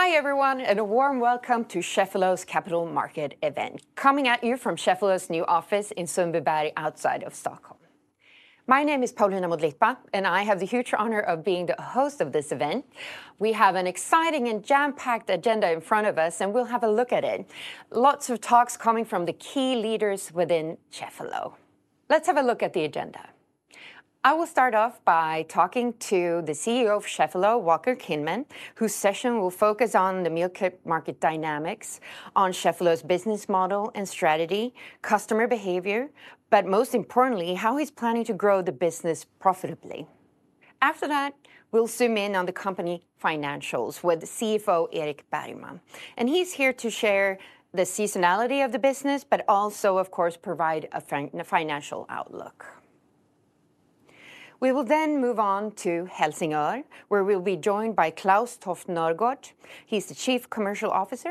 Hi, everyone, and a warm welcome to Cheffelo's Capital Market event, coming at you from Cheffelo's new office in Sundbyberg, outside of Stockholm. My name is Paulina Modlitba, and I have the huge honor of being the host of this event. We have an exciting and jam-packed agenda in front of us, and we'll have a look at it. Lots of talks coming from the key leaders within Cheffelo. Let's have a look at the agenda. I will start off by talking to the CEO of Cheffelo, Walker Kinman, whose session will focus on the meal kit market dynamics, on Cheffelo's business model and strategy, customer behavior, but most importantly, how he's planning to grow the business profitably. After that, we'll zoom in on the company financials with the CFO, Erik Bergman, and he's here to share the seasonality of the business, but also, of course, provide a financial outlook. We will then move on to Helsingør, where we'll be joined by Klaus Toft Nørgaard, he's the Chief Commercial Officer,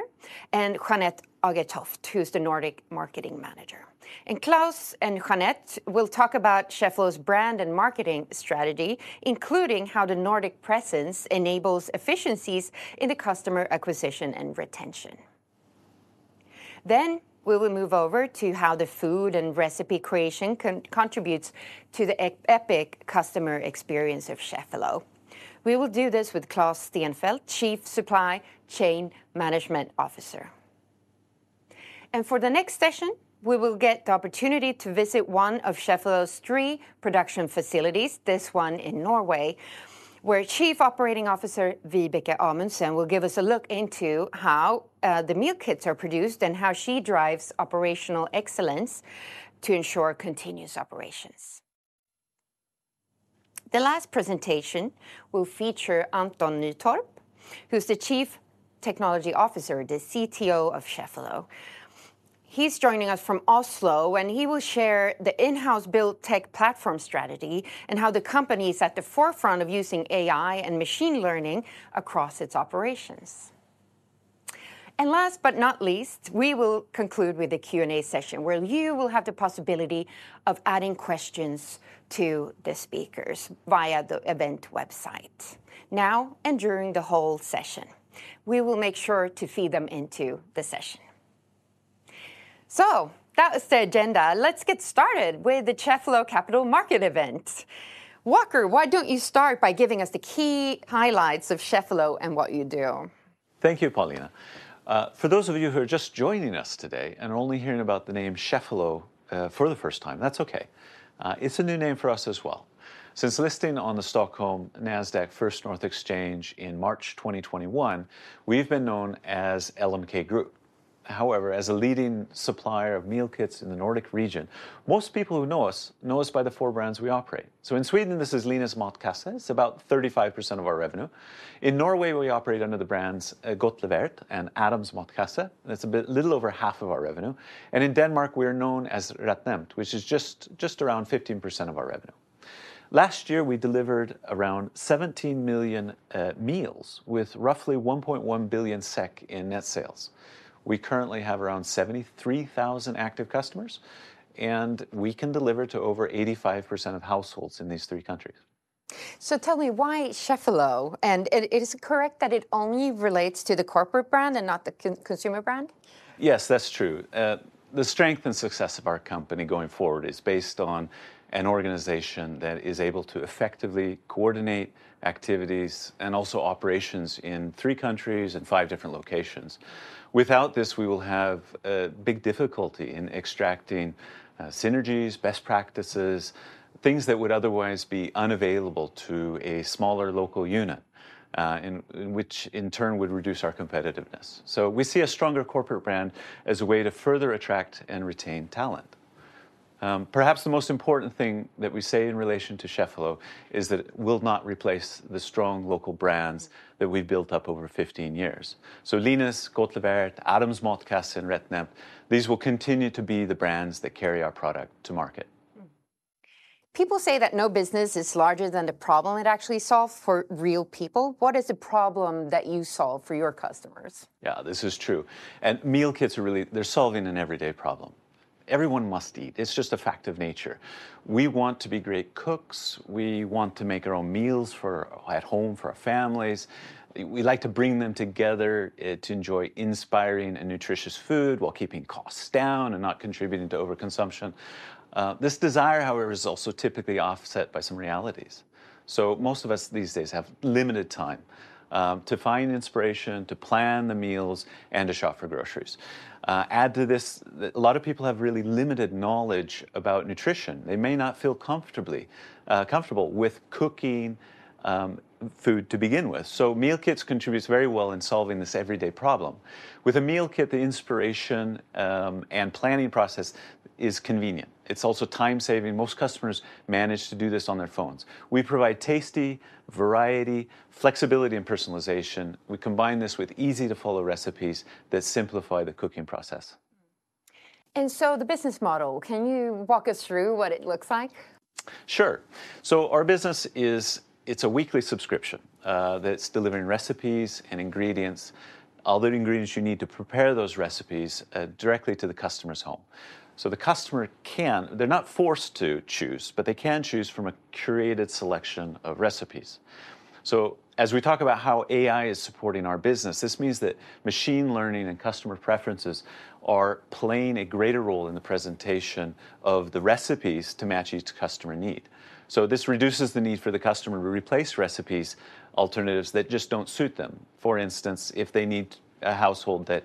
and Jeanette Agertoft, who's the Nordic Marketing Manager. And Klaus and Jeanette will talk about Cheffelo's brand and marketing strategy, including how the Nordic presence enables efficiencies in the customer acquisition and retention. Then we will move over to how the food and recipe creation contributes to the epic customer experience of Cheffelo. We will do this with Claes Stenfeldt, Chief Supply Chain Management Officer. For the next session, we will get the opportunity to visit one of Cheffelo's three production facilities, this one in Norway, where Chief Operating Officer Vibeke Amundsen will give us a look into how, the meal kits are produced and how she drives operational excellence to ensure continuous operations. The last presentation will feature Anton Nytorp, who's the Chief Technology Officer, the CTO of Cheffelo. He's joining us from Oslo, and he will share the in-house built tech platform strategy, and how the company is at the forefront of using AI and machine learning across its operations. And last but not least, we will conclude with a Q&A session, where you will have the possibility of adding questions to the speakers via the event website, now and during the whole session. We will make sure to feed them into the session. So that was the agenda. Let's get started with the Cheffelo Capital Market event. Walker, why don't you start by giving us the key highlights of Cheffelo and what you do? Thank you, Paulina. For those of you who are just joining us today and are only hearing about the name Cheffelo for the first time, that's okay. It's a new name for us as well. Since listing on the Stockholm Nasdaq First North Exchange in March 2021, we've been known as LMK Group. However, as a leading supplier of meal kits in the Nordic region, most people who know us, know us by the four brands we operate. So in Sweden, this is Linas Matkasse. It's about 35% of our revenue. In Norway, we operate under the brands, GodtLevert and Adams Matkasse. That's a bit... little over half of our revenue, and in Denmark, we are known as RetNemt, which is just, just around 15% of our revenue. Last year, we delivered around 17 million meals, with roughly 1.1 billion SEK in net sales. We currently have around 73,000 active customers, and we can deliver to over 85% of households in these three countries. So tell me, why Cheffelo, and is it correct that it only relates to the corporate brand and not the consumer brand? Yes, that's true. The strength and success of our company going forward is based on an organization that is able to effectively coordinate activities and also operations in three countries and five different locations. Without this, we will have a big difficulty in extracting, synergies, best practices, things that would otherwise be unavailable to a smaller local unit, and which, in turn, would reduce our competitiveness. So we see a stronger corporate brand as a way to further attract and retain talent. Perhaps the most important thing that we say in relation to Cheffelo is that it will not replace the strong local brands that we've built up over 15 years. So Linas, GodtLevert, Adams Matkasse, and RetNemt, these will continue to be the brands that carry our product to market. People say that no business is larger than the problem it actually solve for real people. What is the problem that you solve for your customers? Yeah, this is true, and meal kits are really... They're solving an everyday problem. Everyone must eat. It's just a fact of nature. We want to be great cooks. We want to make our own meals for at home, for our families. We like to bring them together to enjoy inspiring and nutritious food while keeping costs down and not contributing to overconsumption. This desire, however, is also typically offset by some realities. So most of us these days have limited time to find inspiration, to plan the meals, and to shop for groceries. Add to this, a lot of people have really limited knowledge about nutrition. They may not feel comfortable with cooking food to begin with. So meal kits contributes very well in solving this everyday problem. With a meal kit, the inspiration and planning process is convenient. It's also time-saving. Most customers manage to do this on their phones. We provide tasty variety, flexibility, and personalization. We combine this with easy-to-follow recipes that simplify the cooking process. The business model, can you walk us through what it looks like? Sure. So our business is, it's a weekly subscription that's delivering recipes and ingredients all the ingredients you need to prepare those recipes directly to the customer's home. So the customer can, they're not forced to choose, but they can choose from a curated selection of recipes. So as we talk about how AI is supporting our business, this means that machine learning and customer preferences are playing a greater role in the presentation of the recipes to match each customer need. So this reduces the need for the customer to replace recipes, alternatives that just don't suit them. For instance, if they need a household that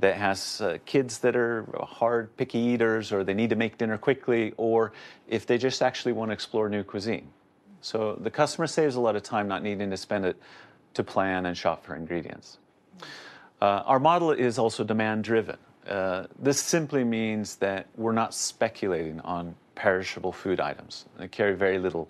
has kids that are hard picky eaters, or they need to make dinner quickly, or if they just actually wanna explore new cuisine. So the customer saves a lot of time not needing to spend it to plan and shop for ingredients. Our model is also demand-driven. This simply means that we're not speculating on perishable food items. We carry very little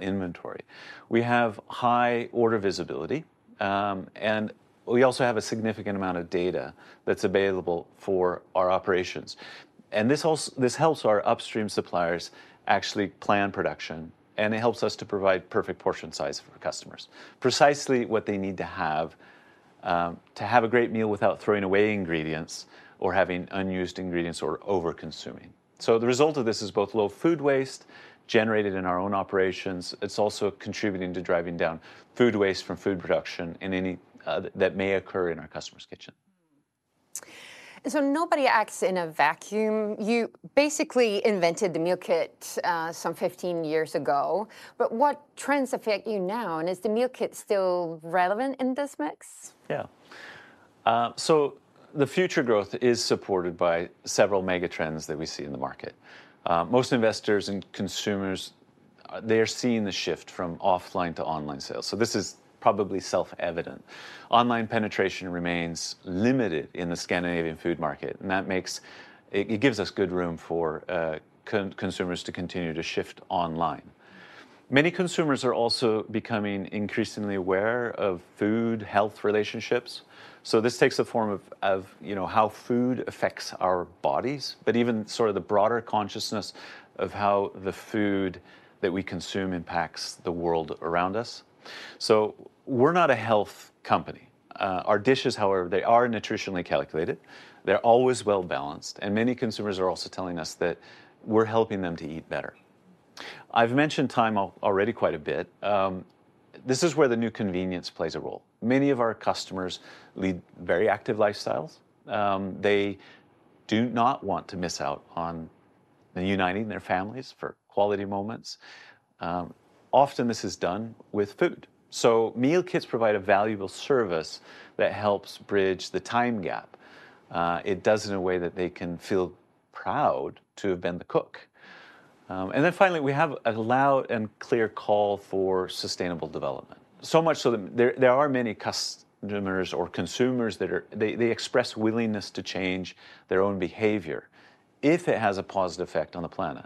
inventory. We have high order visibility, and we also have a significant amount of data that's available for our operations, and this helps our upstream suppliers actually plan production, and it helps us to provide perfect portion size for our customers, precisely what they need to have, to have a great meal without throwing away ingredients or having unused ingredients or overconsuming. So the result of this is both low food waste generated in our own operations. It's also contributing to driving down food waste from food production in any that may occur in our customer's kitchen. So nobody acts in a vacuum. You basically invented the meal kit some 15 years ago, but what trends affect you now, and is the meal kit still relevant in this mix? Yeah. So the future growth is supported by several mega trends that we see in the market. Most investors and consumers, they are seeing the shift from offline to online sales, so this is probably self-evident. Online penetration remains limited in the Scandinavian food market, and that makes... It gives us good room for consumers to continue to shift online. Many consumers are also becoming increasingly aware of food-health relationships, so this takes the form of, you know, how food affects our bodies, but even sort of the broader consciousness of how the food that we consume impacts the world around us. So we're not a health company. Our dishes, however, they are nutritionally calculated, they're always well-balanced, and many consumers are also telling us that we're helping them to eat better. I've mentioned time already quite a bit. This is where the new convenience plays a role. Many of our customers lead very active lifestyles. They do not want to miss out on uniting their families for quality moments. Often, this is done with food. So meal kits provide a valuable service that helps bridge the time gap. It does it in a way that they can feel proud to have been the cook. And then finally, we have a loud and clear call for sustainable development, so much so that there are many customers or consumers that are... They express willingness to change their own behavior if it has a positive effect on the planet.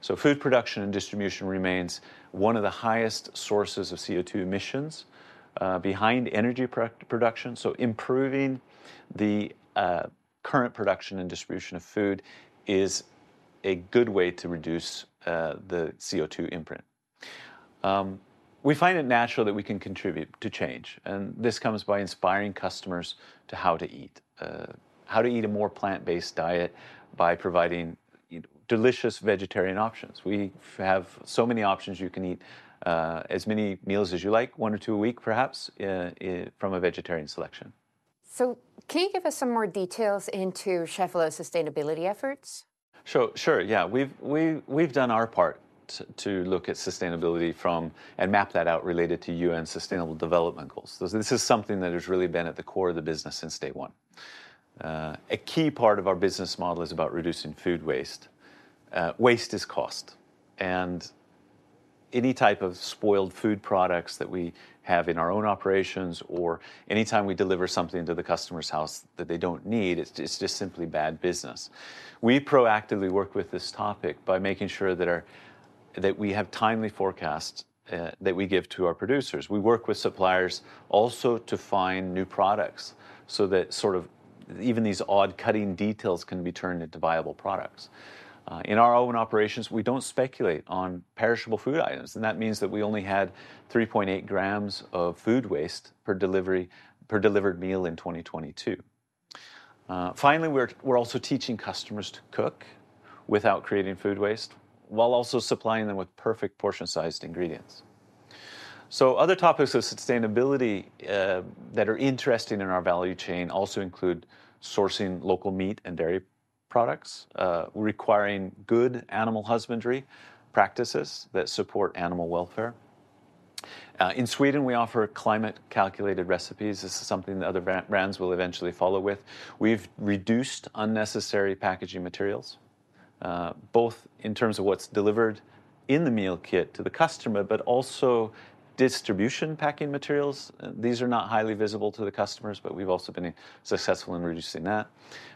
So food production and distribution remains one of the highest sources of CO2 emissions, behind energy production, so improving the current production and distribution of food is a good way to reduce the CO2 footprint. We find it natural that we can contribute to change, and this comes by inspiring customers how to eat a more plant-based diet by providing, you know, delicious vegetarian options. We have so many options. You can eat as many meals as you like, one or two a week perhaps, from a vegetarian selection. Can you give us some more details into Cheffelo's sustainability efforts? Sure, sure, yeah. We've done our part to look at sustainability from... and map that out related to UN Sustainable Development Goals. This is something that has really been at the core of the business since day one. A key part of our business model is about reducing food waste. Waste is cost, and any type of spoiled food products that we have in our own operations, or anytime we deliver something to the customer's house that they don't need, it's just simply bad business. We proactively work with this topic by making sure that we have timely forecasts that we give to our producers. We work with suppliers also to find new products, so that sort of even these odd cutting details can be turned into viable products. In our own operations, we don't speculate on perishable food items, and that means that we only had 3.8 grams of food waste per delivery, per delivered meal in 2022. Finally, we're also teaching customers to cook without creating food waste, while also supplying them with perfect portion-sized ingredients. So other topics of sustainability that are interesting in our value chain also include sourcing local meat and dairy products, requiring good animal husbandry practices that support animal welfare. In Sweden, we offer climate-calculated recipes. This is something that other brands will eventually follow with. We've reduced unnecessary packaging materials, both in terms of what's delivered in the meal kit to the customer, but also distribution packing materials. These are not highly visible to the customers, but we've also been successful in reducing that.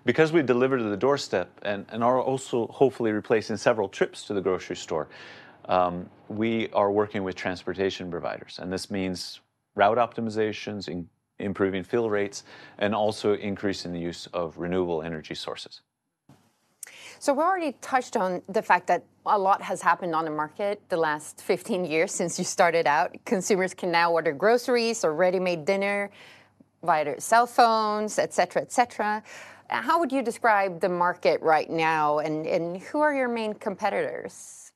Because we deliver to the doorstep and are also hopefully replacing several trips to the grocery store, we are working with transportation providers, and this means route optimizations, improving fill rates, and also increasing the use of renewable energy sources. So we've already touched on the fact that a lot has happened on the market the last 15 years since you started out. Consumers can now order groceries or ready-made dinner via their cell phones, et cetera, et cetera. How would you describe the market right now, and, and who are your main competitors?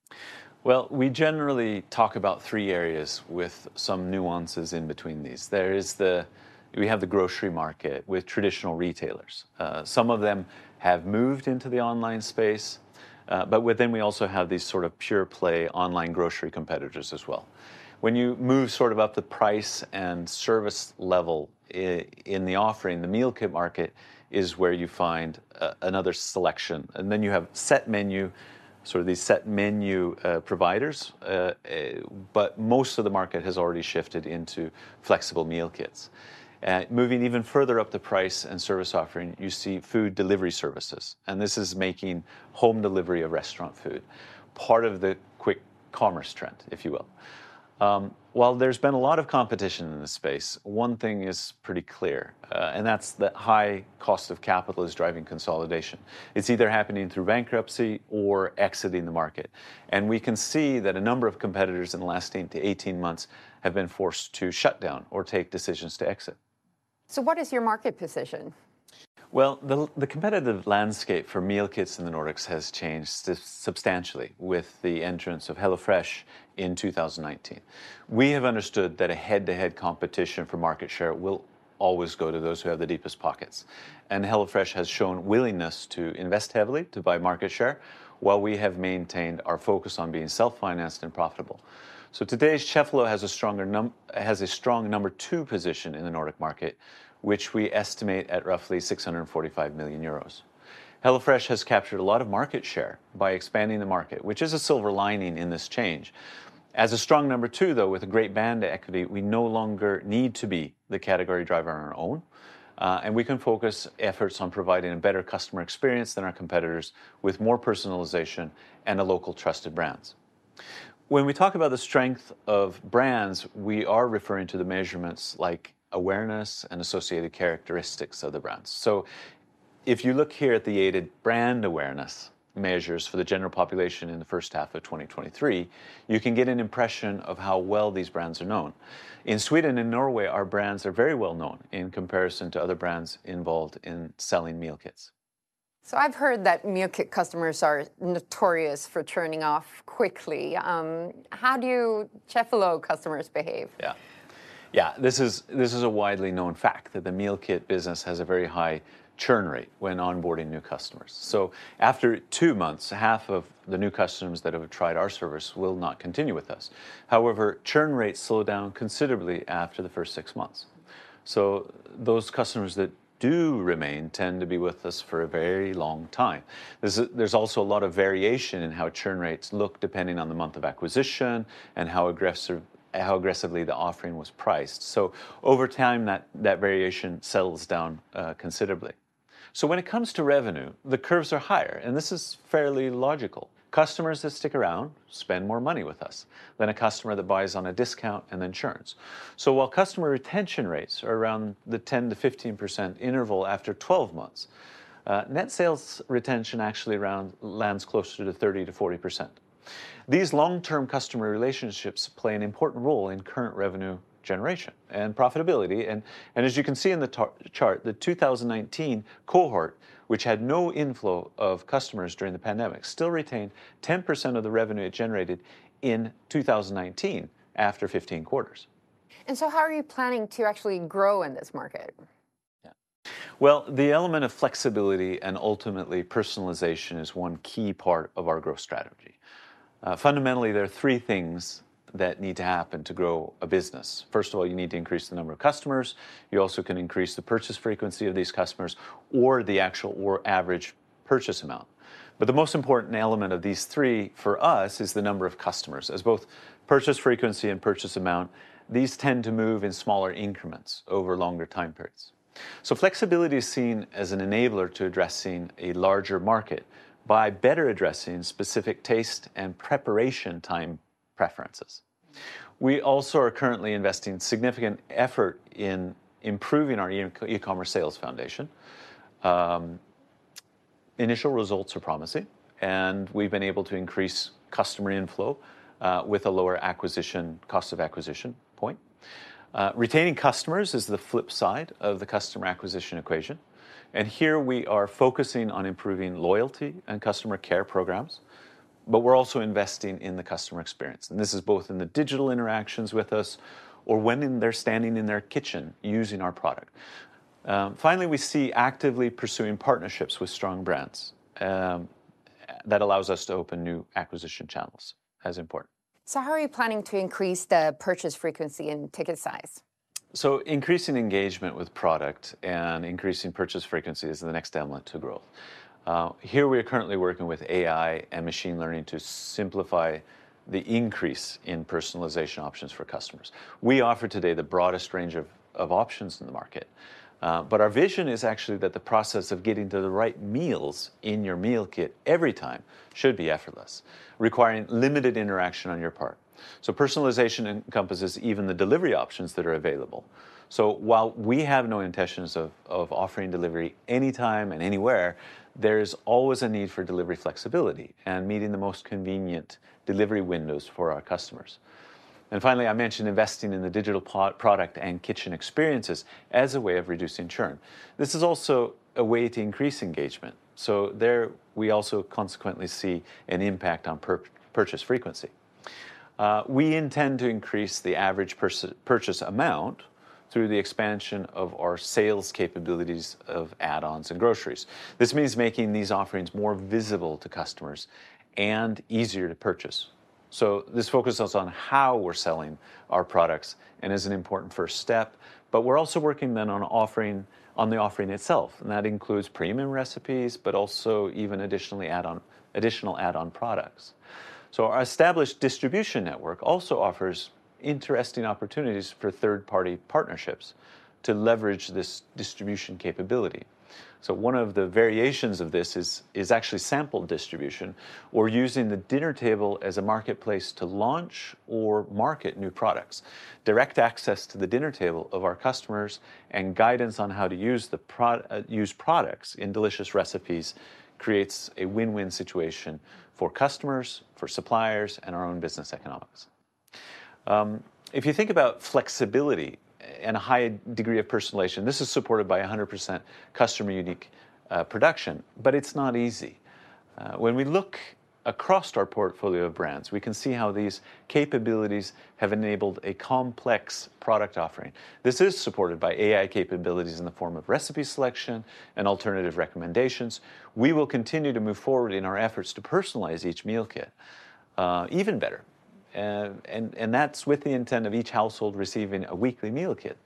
Well, we generally talk about three areas, with some nuances in between these. There is we have the grocery market, with traditional retailers. Some of them have moved into the online space, but within, we also have these sort of pure-play online grocery competitors as well. When you move sort of up the price and service level in the offering, the meal kit market is where you find another selection, and then you have set menu, sort of these set menu providers. But most of the market has already shifted into flexible meal kits. And moving even further up the price and service offering, you see food delivery services, and this is making home delivery of restaurant food, part of the quick commerce trend, if you will. While there's been a lot of competition in this space, one thing is pretty clear, and that's that high cost of capital is driving consolidation. It's either happening through bankruptcy or exiting the market, and we can see that a number of competitors in the last 18 months have been forced to shut down or take decisions to exit. What is your market position? Well, the competitive landscape for meal kits in the Nordics has changed substantially with the entrance of HelloFresh in 2019. We have understood that a head-to-head competition for market share will always go to those who have the deepest pockets, and HelloFresh has shown willingness to invest heavily to buy market share, while we have maintained our focus on being self-financed and profitable. So today's Cheffelo has a strong number two position in the Nordic market, which we estimate at roughly 645 million euros. HelloFresh has captured a lot of market share by expanding the market, which is a silver lining in this change. As a strong number two, though, with a great brand equity, we no longer need to be the category driver on our own, and we can focus efforts on providing a better customer experience than our competitors, with more personalization and the local trusted brands. When we talk about the strength of brands, we are referring to the measurements like awareness and associated characteristics of the brands. So if you look here at the aided brand awareness measures for the general population in the first half of 2023, you can get an impression of how well these brands are known. In Sweden and Norway, our brands are very well known in comparison to other brands involved in selling meal kits. I've heard that meal kit customers are notorious for churning off quickly. How do Cheffelo customers behave? Yeah. Yeah, this is, this is a widely known fact, that the meal kit business has a very high churn rate when onboarding new customers. So after two months, half of the new customers that have tried our service will not continue with us. However, churn rates slow down considerably after the first six months, so those customers that do remain tend to be with us for a very long time. There's, there's also a lot of variation in how churn rates look, depending on the month of acquisition and how aggressive, how aggressively the offering was priced. So over time, that, that variation settles down considerably. So when it comes to revenue, the curves are higher, and this is fairly logical. Customers that stick around spend more money with us than a customer that buys on a discount and then churns. So while customer retention rates are around the 10%-15% interval after 12 months, net sales retention actually lands closer to the 30%-40%. These long-term customer relationships play an important role in current revenue generation and profitability, and as you can see in the top chart, the 2019 cohort, which had no inflow of customers during the pandemic, still retained 10% of the revenue it generated in 2019, after 15 quarters. How are you planning to actually grow in this market? Yeah. Well, the element of flexibility and ultimately personalization is one key part of our growth strategy. Fundamentally, there are three things that need to happen to grow a business. First of all, you need to increase the number of customers. You also can increase the purchase frequency of these customers or the actual or average purchase amount. But the most important element of these three for us is the number of customers, as both purchase frequency and purchase amount, these tend to move in smaller increments over longer time periods. So flexibility is seen as an enabler to addressing a larger market by better addressing specific taste and preparation time preferences. We also are currently investing significant effort in improving our e-commerce sales foundation. Initial results are promising, and we've been able to increase customer inflow with a lower acquisition cost of acquisition point. Retaining customers is the flip side of the customer acquisition equation, and here we are focusing on improving loyalty and customer care programs, but we're also investing in the customer experience, and this is both in the digital interactions with us or when they're standing in their kitchen using our product. Finally, we see actively pursuing partnerships with strong brands that allows us to open new acquisition channels as important. How are you planning to increase the purchase frequency and ticket size? So increasing engagement with product and increasing purchase frequency is the next element to growth. Here we are currently working with AI and machine learning to simplify the increase in personalization options for customers. We offer today the broadest range of options in the market, but our vision is actually that the process of getting to the right meals in your meal kit every time should be effortless, requiring limited interaction on your part. So personalization encompasses even the delivery options that are available. So while we have no intentions of offering delivery anytime and anywhere, there is always a need for delivery flexibility and meeting the most convenient delivery windows for our customers. Finally, I mentioned investing in the digital product and kitchen experiences as a way of reducing churn. This is also a way to increase engagement, so there we also consequently see an impact on purchase frequency. We intend to increase the average purchase amount through the expansion of our sales capabilities of add-ons and groceries. This means making these offerings more visible to customers and easier to purchase. So this focuses on how we're selling our products and is an important first step, but we're also working then on the offering itself, and that includes premium recipes, but also even additionally additional add-on products. So our established distribution network also offers interesting opportunities for third-party partnerships to leverage this distribution capability. So one of the variations of this is actually sample distribution or using the dinner table as a marketplace to launch or market new products. Direct access to the dinner table of our customers and guidance on how to use the products in delicious recipes creates a win-win situation for customers, for suppliers, and our own business economics. If you think about flexibility and a high degree of personalization, this is supported by 100% customer-unique production, but it's not easy. When we look across our portfolio of brands, we can see how these capabilities have enabled a complex product offering. This is supported by AI capabilities in the form of recipe selection and alternative recommendations. We will continue to move forward in our efforts to personalize each meal kit even better, and that's with the intent of each household receiving a weekly meal kit.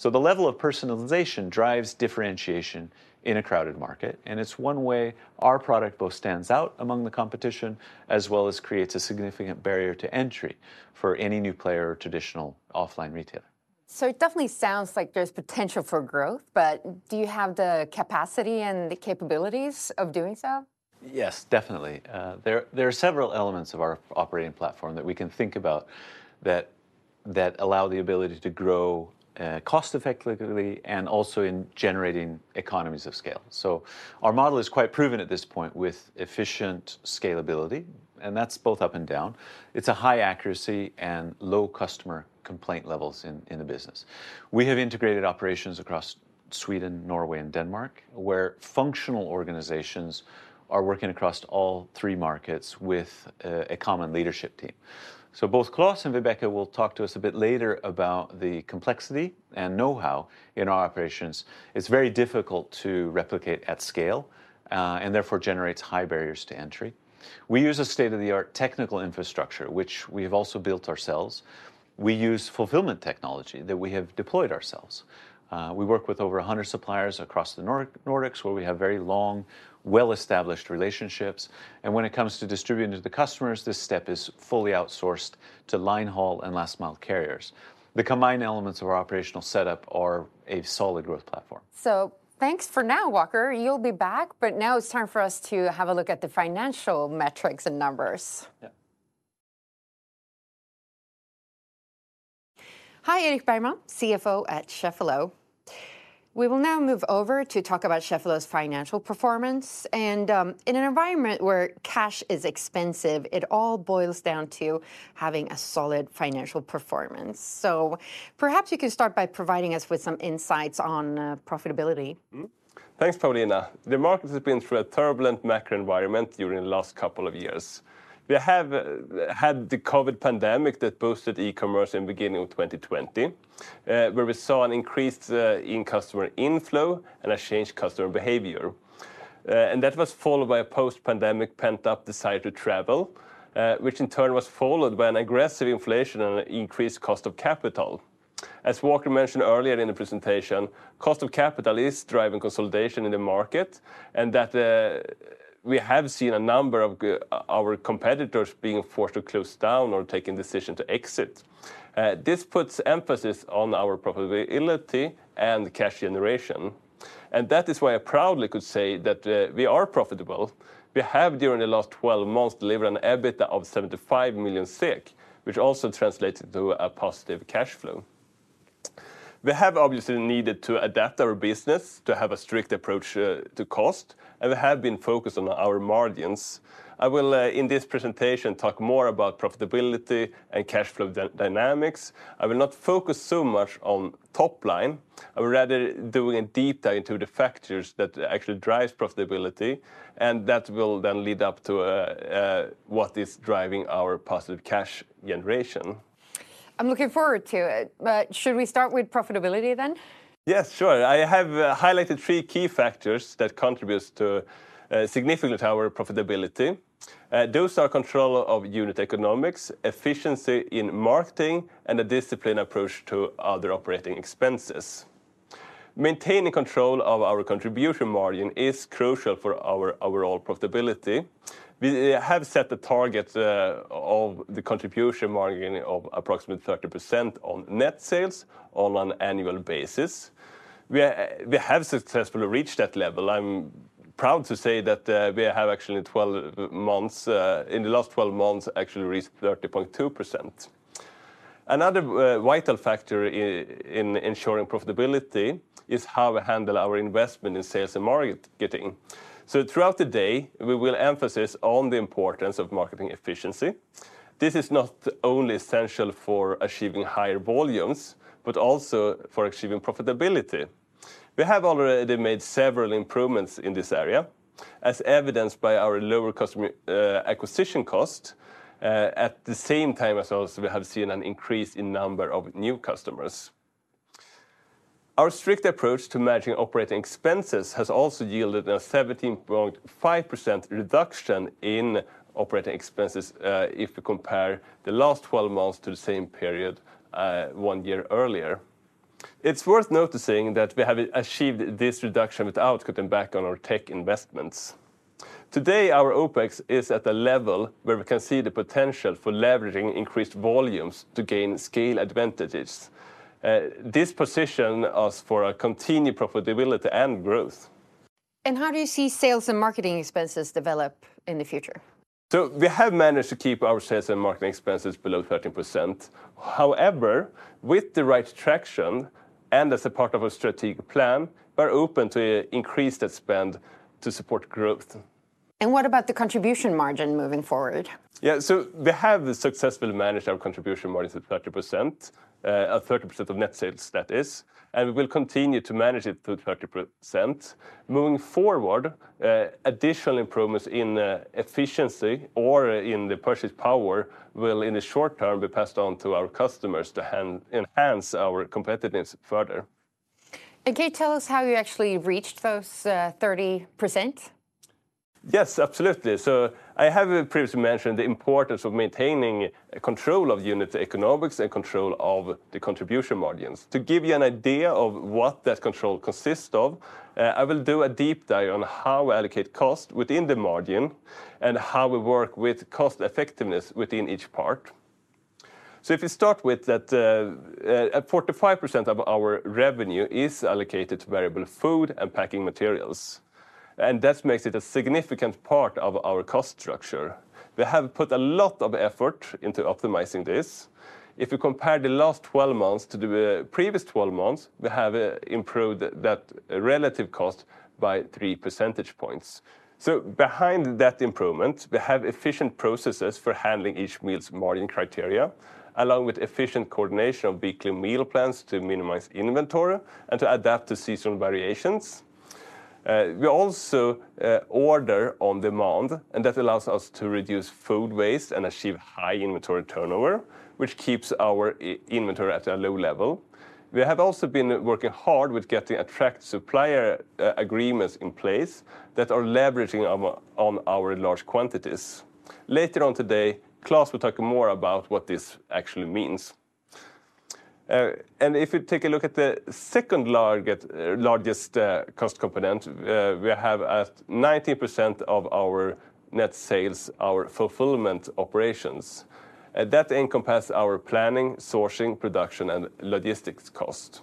The level of personalization drives differentiation in a crowded market, and it's one way our product both stands out among the competition, as well as creates a significant barrier to entry for any new player or traditional offline retailer. It definitely sounds like there's potential for growth, but do you have the capacity and the capabilities of doing so? Yes, definitely. There are several elements of our operating platform that we can think about that allow the ability to grow, cost-effectively and also in generating economies of scale. So our model is quite proven at this point with efficient scalability, and that's both up and down. It's a high accuracy and low customer complaint levels in the business. We have integrated operations across Sweden, Norway, and Denmark, where functional organizations are working across all three markets with a common leadership team. So both Claes and Vibeke will talk to us a bit later about the complexity and know-how in our operations. It's very difficult to replicate at scale, and therefore generates high barriers to entry. We use a state-of-the-art technical infrastructure, which we have also built ourselves. We use fulfillment technology that we have deployed ourselves. We work with over 100 suppliers across the Nordics, where we have very long, well-established relationships, and when it comes to distributing to the customers, this step is fully outsourced to line haul and last-mile carriers. The combined elements of our operational setup are a solid growth platform. Thanks for now, Walker. You'll be back, but now it's time for us to have a look at the financial metrics and numbers. Yeah. Hi, Erik Bergman, CFO at Cheffelo. We will now move over to talk about Cheffelo's financial performance, and, in an environment where cash is expensive, it all boils down to having a solid financial performance. So perhaps you could start by providing us with some insights on, profitability. Thanks, Paulina. The market has been through a turbulent macro environment during the last couple of years. We have had the COVID pandemic that boosted e-commerce in beginning of 2020, where we saw an increase in customer inflow and a changed customer behavior. That was followed by a post-pandemic pent-up desire to travel, which in turn was followed by an aggressive inflation and increased cost of capital. As Walker mentioned earlier in the presentation, cost of capital is driving consolidation in the market, and that we have seen a number of our competitors being forced to close down or taking decision to exit. This puts emphasis on our profitability and cash generation, and that is why I proudly could say that we are profitable. We have, during the last 12 months, delivered an EBIT of 75 million SEK, which also translated to a positive cash flow. We have obviously needed to adapt our business to have a strict approach to cost, and we have been focused on our margins. I will, in this presentation, talk more about profitability and cash flow dynamics. I will not focus so much on top line. I would rather go in detail into the factors that actually drives profitability, and that will then lead up to what is driving our positive cash generation. I'm looking forward to it, but should we start with profitability then? Yes, sure. I have highlighted three key factors that contributes to significant our profitability. Those are control of unit economics, efficiency in marketing, and a disciplined approach to other operating expenses. Maintaining control of our contribution margin is crucial for our overall profitability. We have set the target of the contribution margin of approximately 30% on net sales on an annual basis. We have successfully reached that level. I'm proud to say that we have actually 12 months in the last 12 months actually reached 30.2%. Another vital factor in ensuring profitability is how we handle our investment in sales and marketing. So throughout the day, we will emphasize on the importance of marketing efficiency. This is not only essential for achieving higher volumes, but also for achieving profitability. We have already made several improvements in this area, as evidenced by our lower customer acquisition cost. At the same time, as also we have seen an increase in number of new customers. Our strict approach to managing operating expenses has also yielded a 17.5% reduction in operating expenses, if we compare the last 12 months to the same period one year earlier. It's worth noticing that we have achieved this reduction without cutting back on our tech investments. Today, our OpEx is at a level where we can see the potential for leveraging increased volumes to gain scale advantages. This position us for a continued profitability and growth. How do you see sales and marketing expenses develop in the future? We have managed to keep our sales and marketing expenses below 13%. However, with the right traction, and as a part of our strategic plan, we're open to increase that spend to support growth. What about the Contribution Margin moving forward? Yeah, so we have successfully managed our contribution margin to 30%, at 30% of net sales, that is, and we will continue to manage it to 30%. Moving forward, additional improvements in efficiency or in purchasing power will, in the short term, be passed on to our customers to enhance our competitiveness further. Can you tell us how you actually reached those 30%? Yes, absolutely. So I have previously mentioned the importance of maintaining control of unit economics and control of the contribution margins. To give you an idea of what that control consists of, I will do a deep dive on how we allocate cost within the margin and how we work with cost effectiveness within each part. So if you start with that, at 45% of our revenue is allocated to variable food and packing materials, and that makes it a significant part of our cost structure. We have put a lot of effort into optimizing this. If you compare the last 12 months to the previous 12 months, we have improved that relative cost by three percentage points. So behind that improvement, we have efficient processes for handling each meal's margin criteria, along with efficient coordination of weekly meal plans to minimize inventory and to adapt to seasonal variations. We also order on demand, and that allows us to reduce food waste and achieve high inventory turnover, which keeps our inventory at a low level. We have also been working hard with getting attractive supplier agreements in place that are leveraging our large quantities. Later on today, Claes will talk more about what this actually means. If you take a look at the second largest cost component, we have at 90% of our net sales, our fulfillment operations. That encompass our planning, sourcing, production, and logistics cost.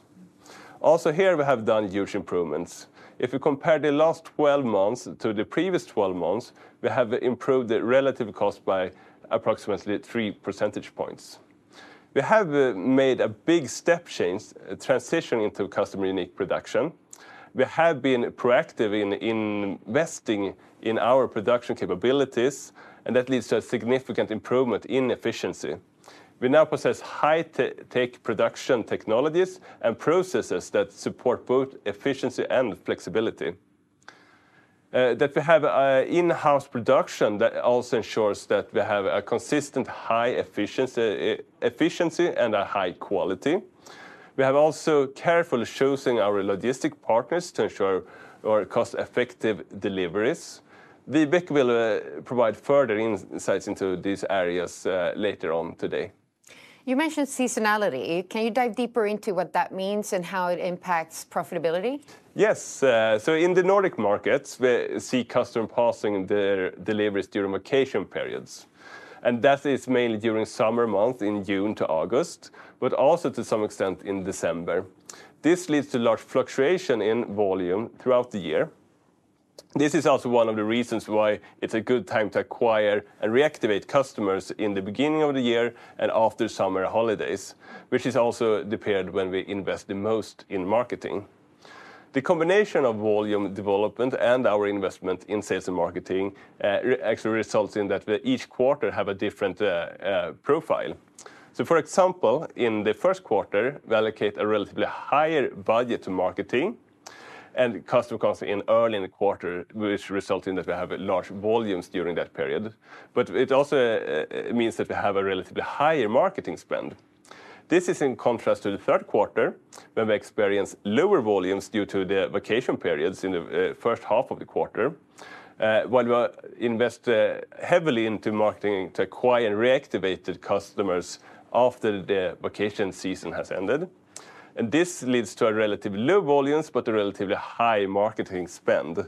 Also here, we have done huge improvements. If you compare the last 12 months to the previous 12 months, we have improved the relative cost by approximately 3 percentage points. We have made a big step change transitioning to customer-unique production. We have been proactive in investing in our production capabilities, and that leads to a significant improvement in efficiency. We now possess high-tech production technologies and processes that support both efficiency and flexibility. That we have an in-house production that also ensures that we have a consistent high efficiency and a high quality. We have also carefully chosen our logistics partners to ensure our cost-effective deliveries. Vibeke will provide further insights into these areas later on today. You mentioned seasonality. Can you dive deeper into what that means and how it impacts profitability? Yes. So in the Nordic markets, we see customer pausing their deliveries during vacation periods, and that is mainly during summer months in June to August, but also to some extent in December. This leads to large fluctuation in volume throughout the year. This is also one of the reasons why it's a good time to acquire and reactivate customers in the beginning of the year and after summer holidays, which is also the period when we invest the most in marketing. The combination of volume development and our investment in sales and marketing, actually results in that each quarter have a different profile. So for example, in the first quarter, we allocate a relatively higher budget to marketing and customer comes in early in the quarter, which result in that we have large volumes during that period. But it also means that we have a relatively higher marketing spend. This is in contrast to the third quarter, where we experience lower volumes due to the vacation periods in the first half of the quarter, while we invest heavily into marketing to acquire and reactivate the customers after the vacation season has ended. And this leads to a relatively low volumes, but a relatively high marketing spend.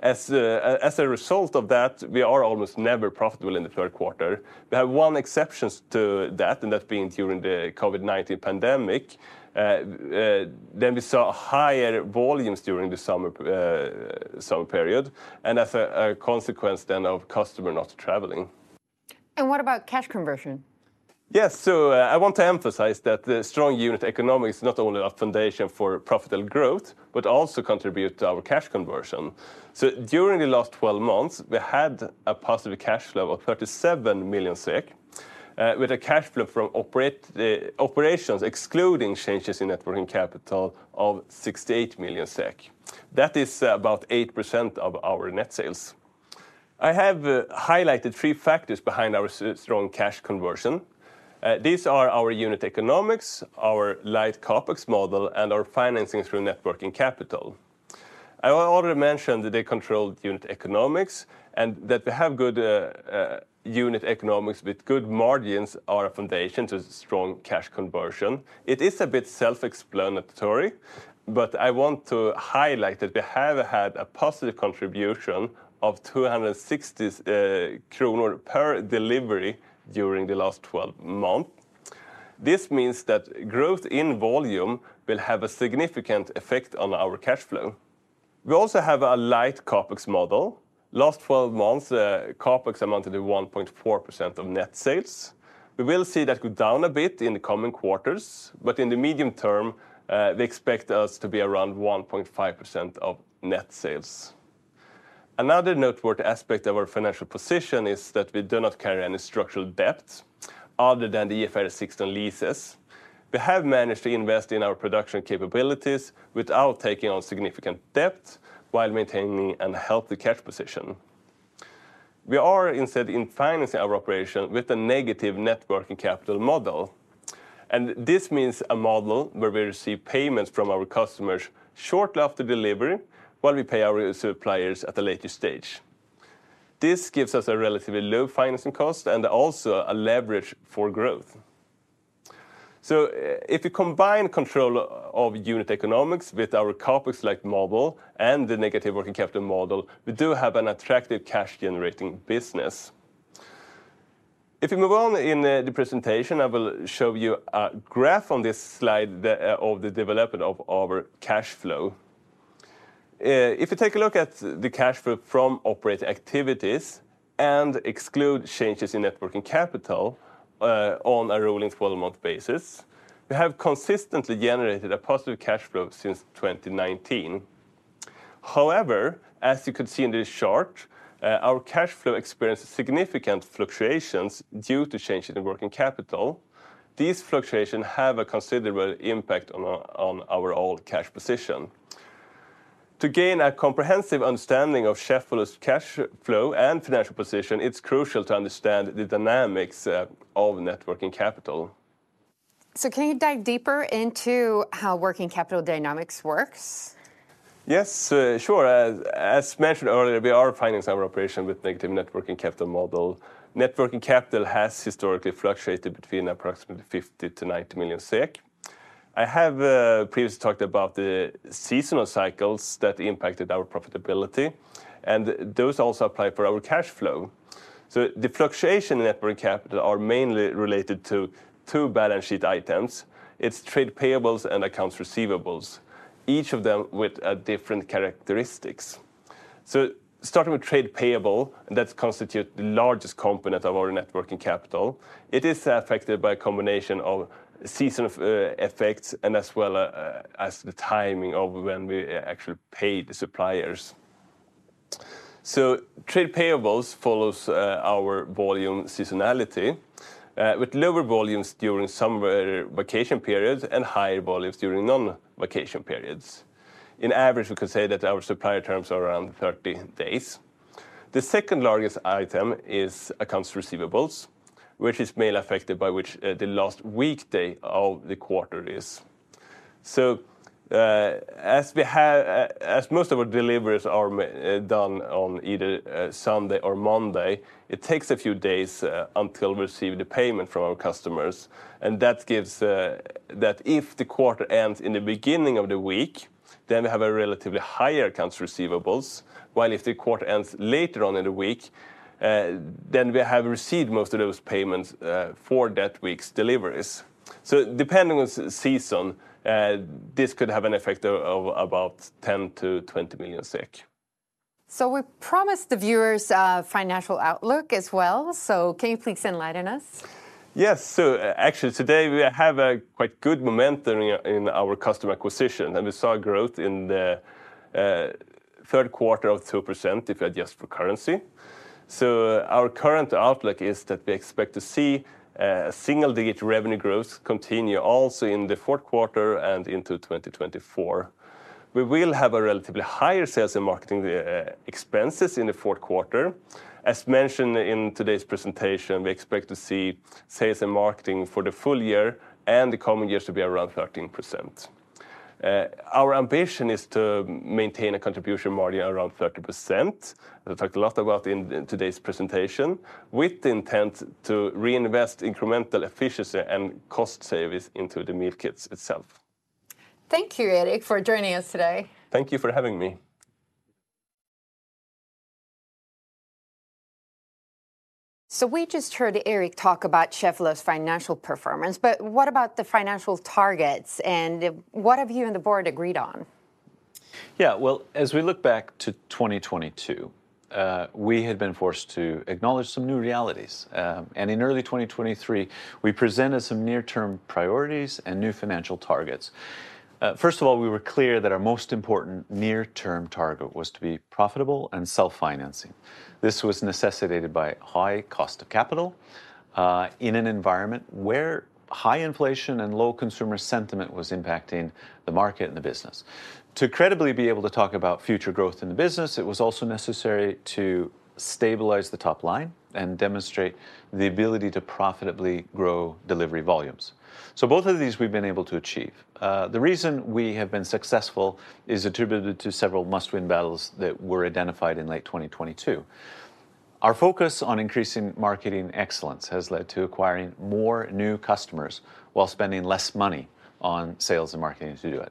As a result of that, we are almost never profitable in the third quarter. We have one exceptions to that, and that being during the COVID-19 pandemic, then we saw higher volumes during the summer summer period, and as a consequence then of customer not traveling. What about cash conversion? Yes, so, I want to emphasize that the strong unit economics is not only a foundation for profitable growth, but also contribute to our cash conversion. So during the last 12 months, we had a positive cash flow of 37 million SEK, with a cash flow from operations, excluding changes in net working capital of 68 million SEK. That is, about 8% of our net sales. I have highlighted three factors behind our strong cash conversion. These are our unit economics, our light CapEx model, and our financing through net working capital. I already mentioned the controlled unit economics, and that we have good unit economics with good margins are a foundation to strong cash conversion. It is a bit self-explanatory, but I want to highlight that we have had a positive contribution of 260 kronor per delivery during the last 12 months. This means that growth in volume will have a significant effect on our cash flow. We also have a light CapEx model. Last 12 months, CapEx amounted to 1.4% of net sales. We will see that go down a bit in the coming quarters, but in the medium term, we expect us to be around 1.5% of net sales. Another noteworthy aspect of our financial position is that we do not carry any structural debt other than the IFRS 16 leases. We have managed to invest in our production capabilities without taking on significant debt, while maintaining a healthy cash position. We are instead in financing our operation with a negative Net Working Capital model, and this means a model where we receive payments from our customers shortly after delivery, while we pay our suppliers at a later stage. This gives us a relatively low financing cost and also a leverage for growth. So if you combine control of unit economics with our CapEx-like model and the negative Net Working Capital model, we do have an attractive cash-generating business. If you move on in the presentation, I will show you a graph on this slide, the of the development of our cash flow. If you take a look at the cash flow from operating activities and exclude changes in Net Working Capital, on a rolling 12-month basis, we have consistently generated a positive cash flow since 2019. However, as you can see in this chart, our cash flow experienced significant fluctuations due to changes in working capital. These fluctuations have a considerable impact on our overall cash position. To gain a comprehensive understanding of Cheffelo's cash flow and financial position, it's crucial to understand the dynamics of net working capital. Can you dive deeper into how working capital dynamics works? Yes, sure. As, as mentioned earlier, we are financing our operation with negative Net Working Capital model. Net Working Capital has historically fluctuated between approximately 50 million-90 million SEK. I have previously talked about the seasonal cycles that impacted our profitability, and those also apply for our cash flow. So the fluctuation in Net Working Capital are mainly related to two balance sheet items: it's trade payables and accounts receivables, each of them with different characteristics. So starting with trade payable, that constitute the largest component of our Net Working Capital, it is affected by a combination of seasonal effects and as well as the timing of when we actually pay the suppliers. So trade payables follows our volume seasonality with lower volumes during summer vacation periods and higher volumes during non-vacation periods. On average, we could say that our supplier terms are around 30 days. The second largest item is accounts receivables, which is mainly affected by which, the last weekday of the quarter is. So, as most of our deliveries are done on either, Sunday or Monday, it takes a few days, until we receive the payment from our customers, and that gives... that if the quarter ends in the beginning of the week, then we have a relatively higher accounts receivables, while if the quarter ends later on in the week, then we have received most of those payments, for that week's deliveries. So depending on season, this could have an effect of about 10 million-20 million SEK. So we promised the viewers a financial outlook as well, so can you please enlighten us? Yes. So actually, today we have quite good momentum in our customer acquisition, and we saw growth in the third quarter of 2%, if adjusted for currency. So our current outlook is that we expect to see single-digit revenue growth continue also in the fourth quarter and into 2024. We will have relatively higher sales and marketing expenses in the fourth quarter. As mentioned in today's presentation, we expect to see sales and marketing for the full year and the coming years to be around 13%. Our ambition is to maintain a contribution margin around 30%. I talked a lot about in today's presentation, with the intent to reinvest incremental efficiency and cost savings into the meal kits itself. Thank you, Erik, for joining us today. Thank you for having me. We just heard Erik talk about Cheffelo's financial performance, but what about the financial targets, and what have you and the board agreed on? Yeah, well, as we look back to 2022, we had been forced to acknowledge some new realities. In early 2023, we presented some near-term priorities and new financial targets. First of all, we were clear that our most important near-term target was to be profitable and self-financing. This was necessitated by high cost of capital, in an environment where high inflation and low consumer sentiment was impacting the market and the business. To credibly be able to talk about future growth in the business, it was also necessary to stabilize the top line and demonstrate the ability to profitably grow delivery volumes. Both of these, we've been able to achieve. The reason we have been successful is attributed to several must-win battles that were identified in late 2022. Our focus on increasing marketing excellence has led to acquiring more new customers, while spending less money on sales and marketing to do it.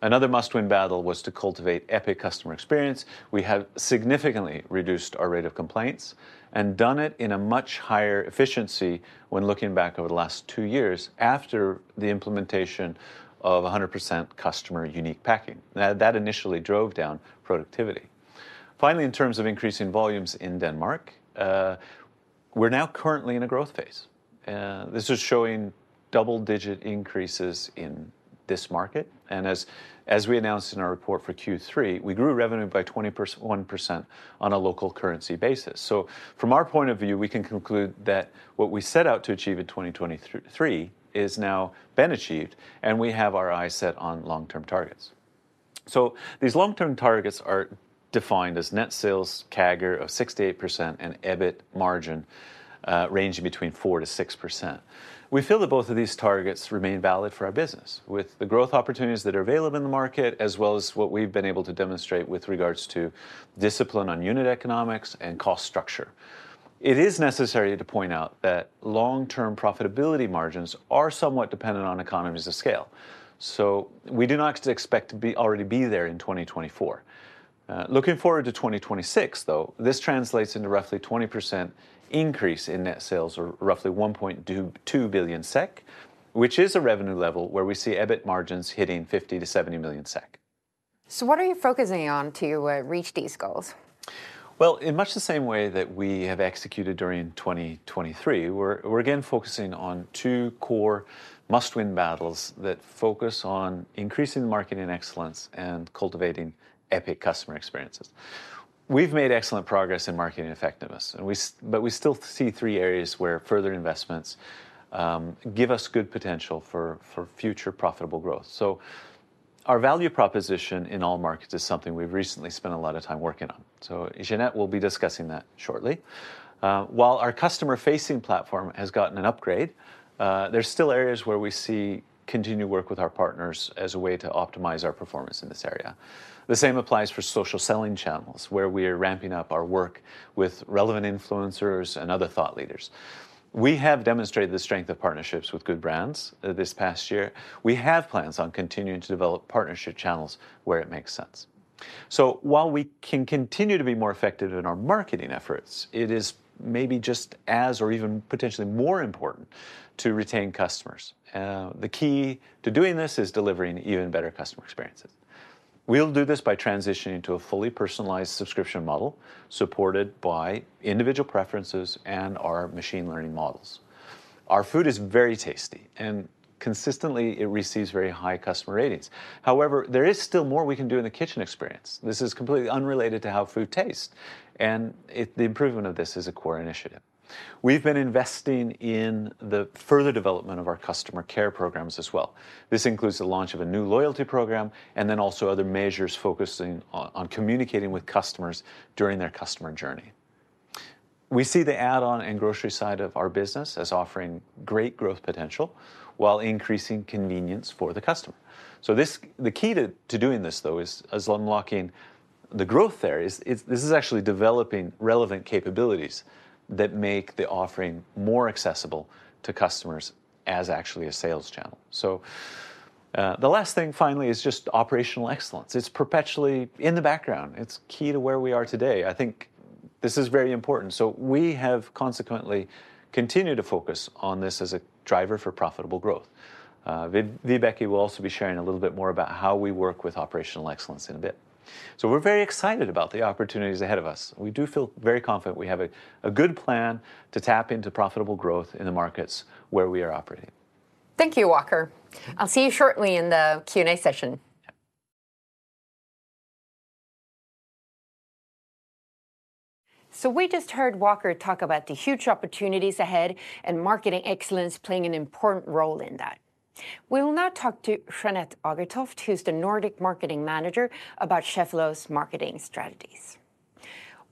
Another must-win battle was to cultivate epic customer experience. We have significantly reduced our rate of complaints, and done it in a much higher efficiency when looking back over the last two years after the implementation of 100% customer-unique packing. Now, that initially drove down productivity. Finally, in terms of increasing volumes in Denmark, we're now currently in a growth phase, and this is showing double-digit increases in this market. As we announced in our report for Q3, we grew revenue by 21% on a local currency basis. From our point of view, we can conclude that what we set out to achieve in 2023 is now been achieved, and we have our eyes set on long-term targets. These long-term targets are defined as net sales CAGR of 6%-8% and EBIT margin ranging between 4%-6%. We feel that both of these targets remain valid for our business, with the growth opportunities that are available in the market, as well as what we've been able to demonstrate with regards to discipline on unit economics and cost structure. It is necessary to point out that long-term profitability margins are somewhat dependent on economies of scale, so we do not expect to be already be there in 2024. Looking forward to 2026, though, this translates into roughly 20% increase in net sales or roughly 1.2 billion SEK, which is a revenue level where we see EBIT margins hitting 50 million-70 million SEK. So what are you focusing on to reach these goals? Well, in much the same way that we have executed during 2023, we're again focusing on two core must-win battles that focus on increasing the marketing excellence and cultivating epic customer experiences. We've made excellent progress in marketing effectiveness, and but we still see three areas where further investments give us good potential for future profitable growth. So our value proposition in all markets is something we've recently spent a lot of time working on. So Jeanette will be discussing that shortly. While our customer-facing platform has gotten an upgrade, there's still areas where we see continued work with our partners as a way to optimize our performance in this area. The same applies for social selling channels, where we are ramping up our work with relevant influencers and other thought leaders. We have demonstrated the strength of partnerships with good brands this past year. We have plans on continuing to develop partnership channels where it makes sense. So while we can continue to be more effective in our marketing efforts, it is maybe just as or even potentially more important to retain customers. The key to doing this is delivering even better customer experiences. We'll do this by transitioning to a fully personalized subscription model, supported by individual preferences and our machine learning models. Our food is very tasty, and consistently, it receives very high customer ratings. However, there is still more we can do in the kitchen experience. This is completely unrelated to how food tastes, and the improvement of this is a core initiative. We've been investing in the further development of our customer care programs as well. This includes the launch of a new loyalty program and then also other measures focusing on communicating with customers during their customer journey. We see the add-on and grocery side of our business as offering great growth potential, while increasing convenience for the customer. So this, the key to doing this, though, is unlocking the growth there, is actually developing relevant capabilities that make the offering more accessible to customers as actually a sales channel. So, the last thing finally is just operational excellence. It's perpetually in the background. It's key to where we are today. I think this is very important, so we have consequently continued to focus on this as a driver for profitable growth. Vibeke will also be sharing a little bit more about how we work with operational excellence in a bit. We're very excited about the opportunities ahead of us. We do feel very confident we have a good plan to tap into profitable growth in the markets where we are operating. Thank you, Walker. I'll see you shortly in the Q&A session. Yep. So we just heard Walker talk about the huge opportunities ahead and marketing excellence playing an important role in that. We will now talk to Jeanette Agertoft, who's the Nordic marketing manager, about Cheffelo's marketing strategies.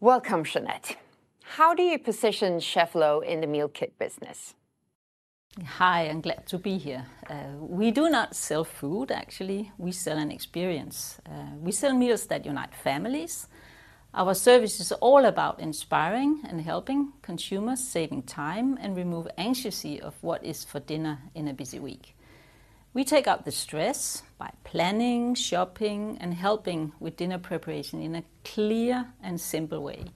Welcome, Jeanette. How do you position Cheffelo in the meal kit business? Hi, and glad to be here. We do not sell food, actually. We sell an experience. We sell meals that unite families. Our service is all about inspiring and helping consumers, saving time, and remove anxiety of what is for dinner in a busy week. We take out the stress by planning, shopping, and helping with dinner preparation in a clear and simple way...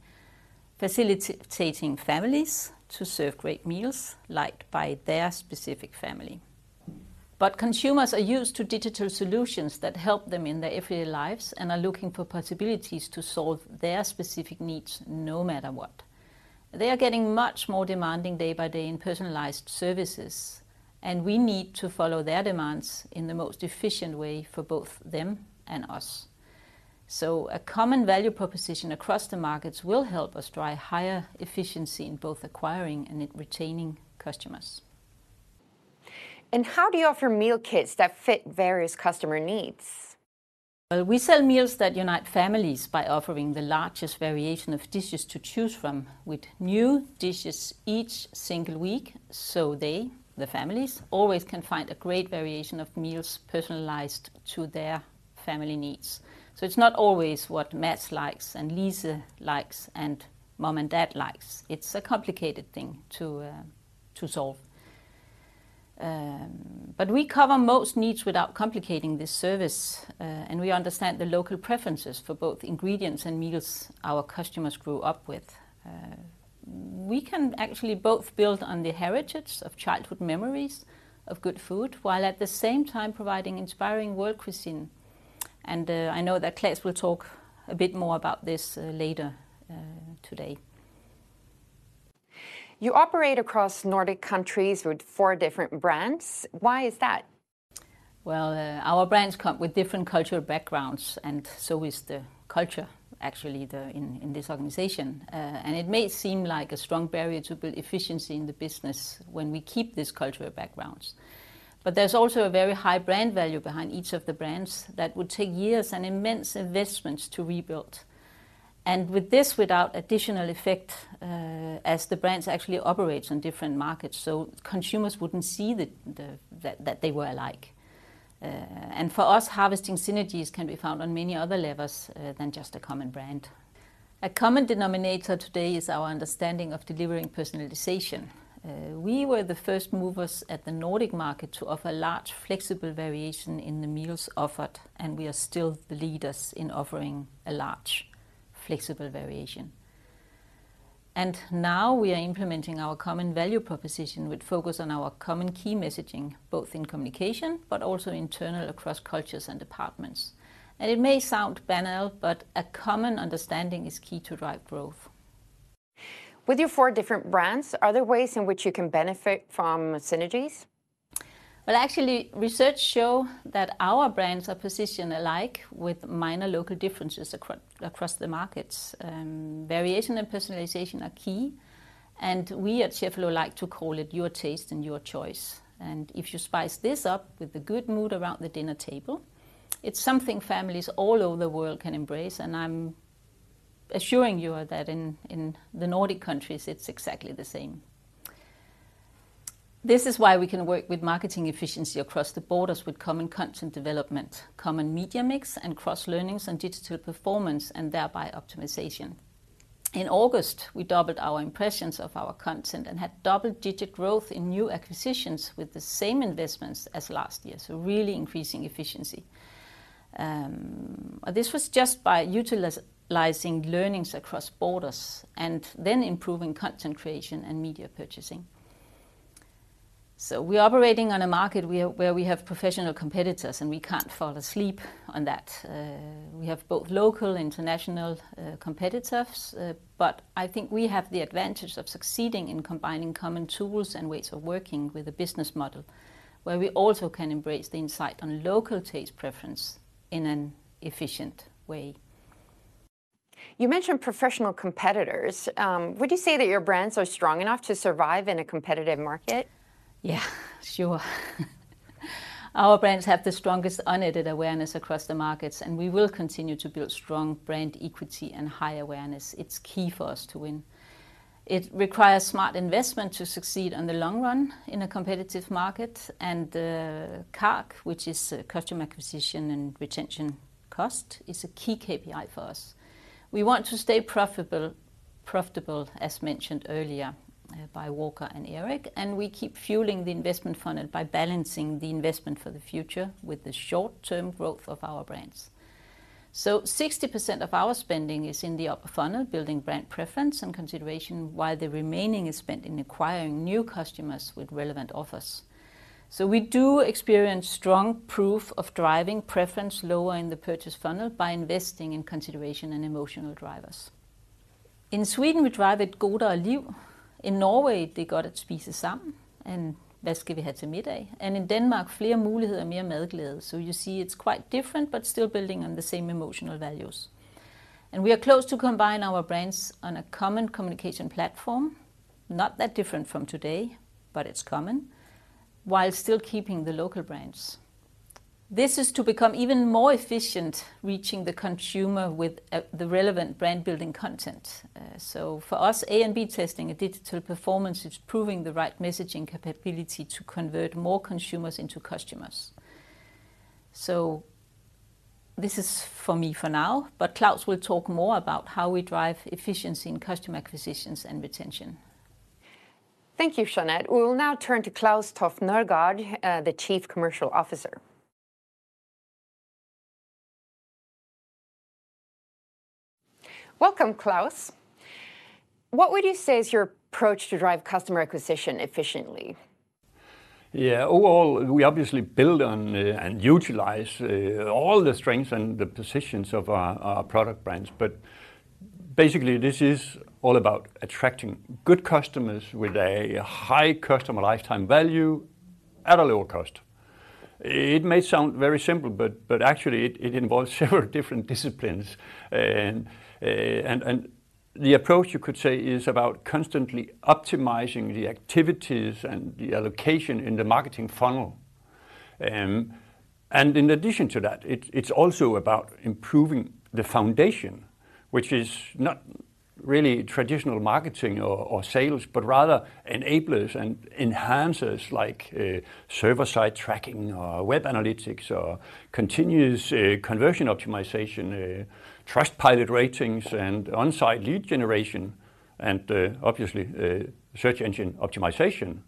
facilitating families to serve great meals liked by their specific family. But consumers are used to digital solutions that help them in their everyday lives and are looking for possibilities to solve their specific needs, no matter what. They are getting much more demanding day by day in personalized services, and we need to follow their demands in the most efficient way for both them and us. A common value proposition across the markets will help us drive higher efficiency in both acquiring and in retaining customers. How do you offer meal kits that fit various customer needs? Well, we sell meals that unite families by offering the largest variation of dishes to choose from, with new dishes each single week, so they, the families, always can find a great variation of meals personalized to their family needs. So it's not always what Mats likes and Lisa likes and Mom and Dad likes. It's a complicated thing to solve. But we cover most needs without complicating this service, and we understand the local preferences for both ingredients and meals our customers grew up with. We can actually both build on the heritage of childhood memories of good food, while at the same time providing inspiring world cuisine, and I know that Claes will talk a bit more about this later today. You operate across Nordic countries with four different brands. Why is that? Well, our brands come with different cultural backgrounds, and so is the culture, actually, in this organization. And it may seem like a strong barrier to build efficiency in the business when we keep these cultural backgrounds, but there's also a very high brand value behind each of the brands that would take years and immense investments to rebuild. And with this, without additional effect, as the brands actually operates on different markets, so consumers wouldn't see that they were alike. And for us, harvesting synergies can be found on many other levels than just a common brand. A common denominator today is our understanding of delivering personalization. We were the first movers at the Nordic market to offer large, flexible variation in the meals offered, and we are still the leaders in offering a large, flexible variation. Now we are implementing our common value proposition, which focus on our common key messaging, both in communication but also internal across cultures and departments. It may sound banal, but a common understanding is key to drive growth. With your four different brands, are there ways in which you can benefit from synergies? Well, actually, research show that our brands are positioned alike, with minor local differences across the markets. Variation and personalization are key, and we at Cheffelo like to call it your taste and your choice. If you spice this up with a good mood around the dinner table, it's something families all over the world can embrace, and I'm assuring you that in, in the Nordic countries, it's exactly the same. This is why we can work with marketing efficiency across the borders with common content development, common media mix, and cross-learnings and digital performance, and thereby optimization. In August, we doubled our impressions of our content and had double-digit growth in new acquisitions with the same investments as last year, so really increasing efficiency. This was just by utilizing learnings across borders and then improving content creation and media purchasing. So we are operating on a market where we have professional competitors, and we can't fall asleep on that. We have both local and international competitors, but I think we have the advantage of succeeding in combining common tools and ways of working with a business model, where we also can embrace the insight on local taste preference in an efficient way. You mentioned professional competitors. Would you say that your brands are strong enough to survive in a competitive market? Yeah, sure. Our brands have the strongest unaided awareness across the markets, and we will continue to build strong brand equity and high awareness. It's key for us to win. It requires smart investment to succeed in the long run in a competitive market, and CARC, which is customer acquisition and retention cost, is a key KPI for us. We want to stay profitable, profitable, as mentioned earlier, by Walker and Erik, and we keep fueling the investment funnel by balancing the investment for the future with the short-term growth of our brands. So 60% of our spending is in the upper funnel, building brand preference and consideration, while the remaining is spent in acquiring new customers with relevant offers. So we do experience strong proof of driving preference lower in the purchase funnel by investing in consideration and emotional drivers. In Sweden, we drive it, Goda och Liv. In Norway, they got it, Spise Sammen, and Hva skal vi ha til middag? In Denmark, Flere muligheder, mere madglæde. You see, it's quite different but still building on the same emotional values. We are close to combine our brands on a common communication platform, not that different from today, but it's common, while still keeping the local brands. This is to become even more efficient, reaching the consumer with the relevant brand-building content. For us, A and B testing, a digital performance is proving the right messaging capability to convert more consumers into customers. This is for me for now, but Klaus will talk more about how we drive efficiency in customer acquisitions and retention. Thank you, Jeanette. We will now turn to Klaus Toft Nørgaard, the Chief Commercial Officer. Welcome, Klaus. What would you say is your approach to drive customer acquisition efficiently? Yeah, overall, we obviously build on and utilize all the strengths and the positions of our product brands. But basically, this is all about attracting good customers with a high customer lifetime value at a lower cost. It may sound very simple, but actually it involves several different disciplines. And the approach, you could say, is about constantly optimizing the activities and the allocation in the marketing funnel. And in addition to that, it's also about improving the foundation, which is not really traditional marketing or sales, but rather enablers and enhancers, like server-side tracking or web analytics or continuous conversion optimization, Trustpilot ratings, and on-site lead generation, and obviously search engine optimization.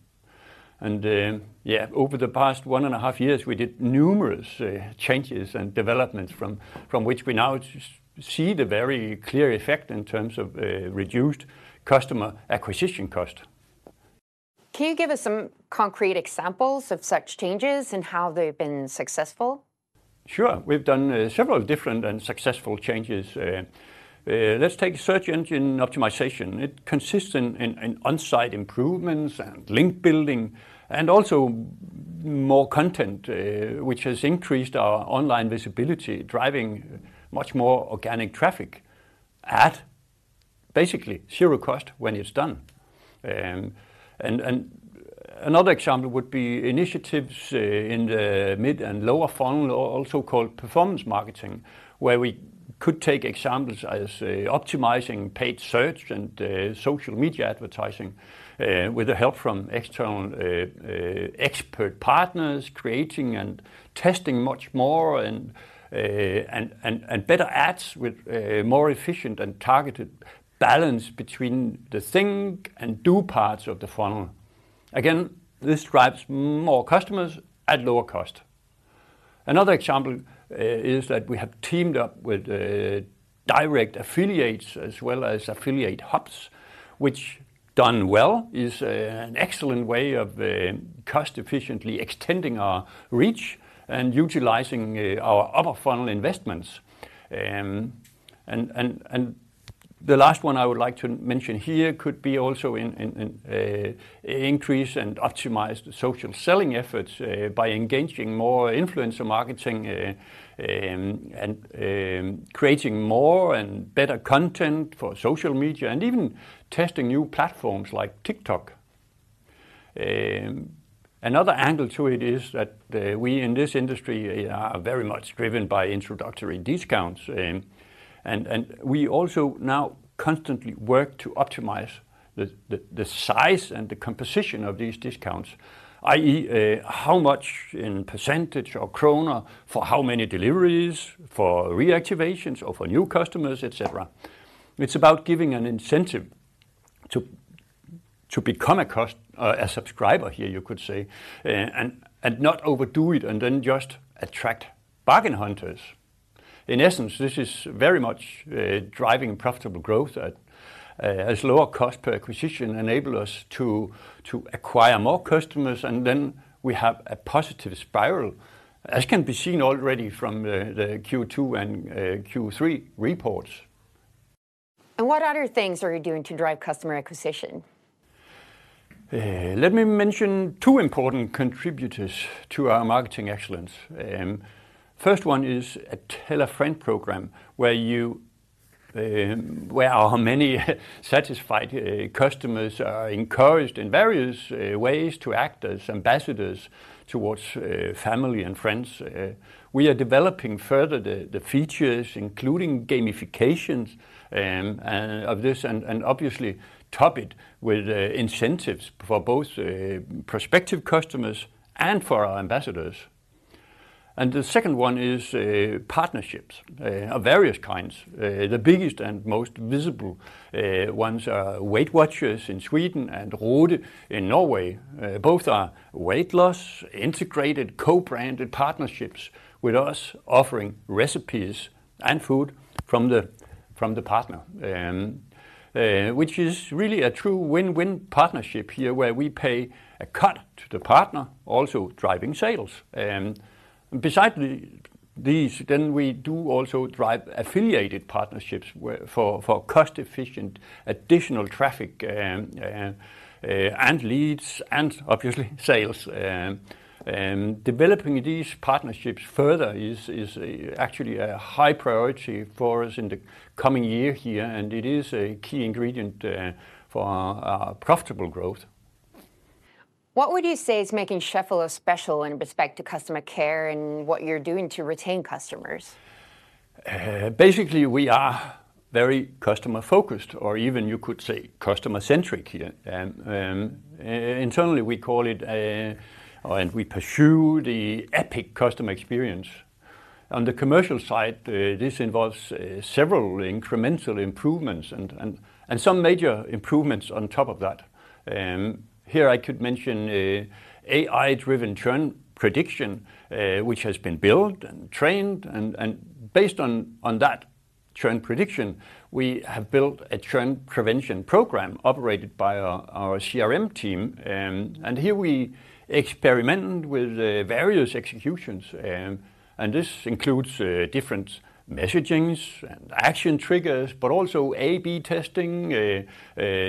Yeah, over the past 1.5 years, we did numerous changes and developments from which we now just see the very clear effect in terms of reduced customer acquisition cost. Can you give us some concrete examples of such changes and how they've been successful? Sure. We've done several different and successful changes. Let's take Search Engine Optimization. It consists in on-site improvements and link building, and also more content, which has increased our online visibility, driving much more organic traffic at basically zero cost when it's done. Another example would be initiatives in the mid and lower funnel, also called performance marketing, where we could take examples as optimizing paid search and social media advertising with the help from external expert partners, creating and testing much more and better ads with more efficient and targeted balance between the think and do parts of the funnel. Again, this drives more customers at lower cost. Another example is that we have teamed up with direct affiliates as well as affiliate hubs, which, done well, is an excellent way of cost efficiently extending our reach and utilizing our other funnel investments. And the last one I would like to mention here could be also in increase and optimize the social selling efforts by engaging more influencer marketing and creating more and better content for social media, and even testing new platforms like TikTok. Another angle to it is that we in this industry are very much driven by introductory discounts, and we also now constantly work to optimize the size and the composition of these discounts, i.e., how much in percentage or kroner for how many deliveries, for reactivations, or for new customers, et cetera. It's about giving an incentive to become a subscriber here, you could say, and not overdo it and then just attract bargain hunters. In essence, this is very much driving profitable growth at as lower cost per acquisition enable us to acquire more customers, and then we have a positive spiral, as can be seen already from the Q2 and Q3 reports. What other things are you doing to drive customer acquisition? Let me mention two important contributors to our marketing excellence. First one is a tell-a-friend program, where our many satisfied customers are encouraged in various ways to act as ambassadors towards family and friends. We are developing further the features, including gamifications, and of this, and obviously top it with incentives for both prospective customers and for our ambassadors. The second one is partnerships of various kinds. The biggest and most visible ones are Weight Watchers in Sweden and Roede in Norway. Both are weight loss integrated co-branded partnerships with us, offering recipes and food from the partner. Which is really a true win-win partnership here, where we pay a cut to the partner, also driving sales. Besides these, then we do also drive affiliated partnerships where, for cost-efficient additional traffic, and leads, and obviously, sales. Developing these partnerships further is actually a high priority for us in the coming year here, and it is a key ingredient for our profitable growth. What would you say is making Cheffelo special in respect to customer care and what you're doing to retain customers? Basically, we are very customer-focused, or even you could say customer-centric here. Internally, we call it or we pursue the epic customer experience. On the commercial side, this involves several incremental improvements and some major improvements on top of that. Here I could mention AI-driven trend prediction, which has been built and trained, and based on that churn prediction, we have built a churn prevention program operated by our CRM team. Here we experiment with various executions, and this includes different messagings and action triggers, but also A/B testing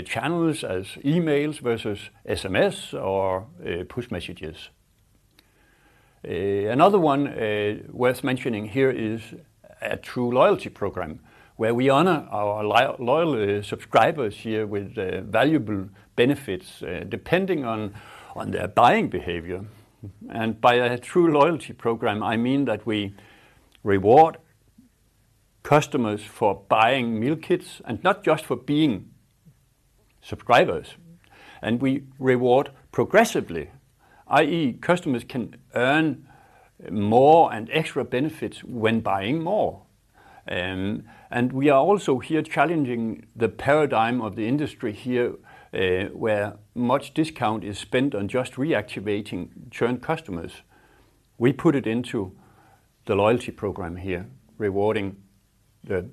channels as emails versus SMS or push messages. Another one worth mentioning here is a true loyalty program, where we honor our loyal subscribers here with valuable benefits depending on their buying behavior. And by a true loyalty program, I mean that we reward customers for buying meal kits and not just for being subscribers, and we reward progressively, i.e., customers can earn more and extra benefits when buying more. A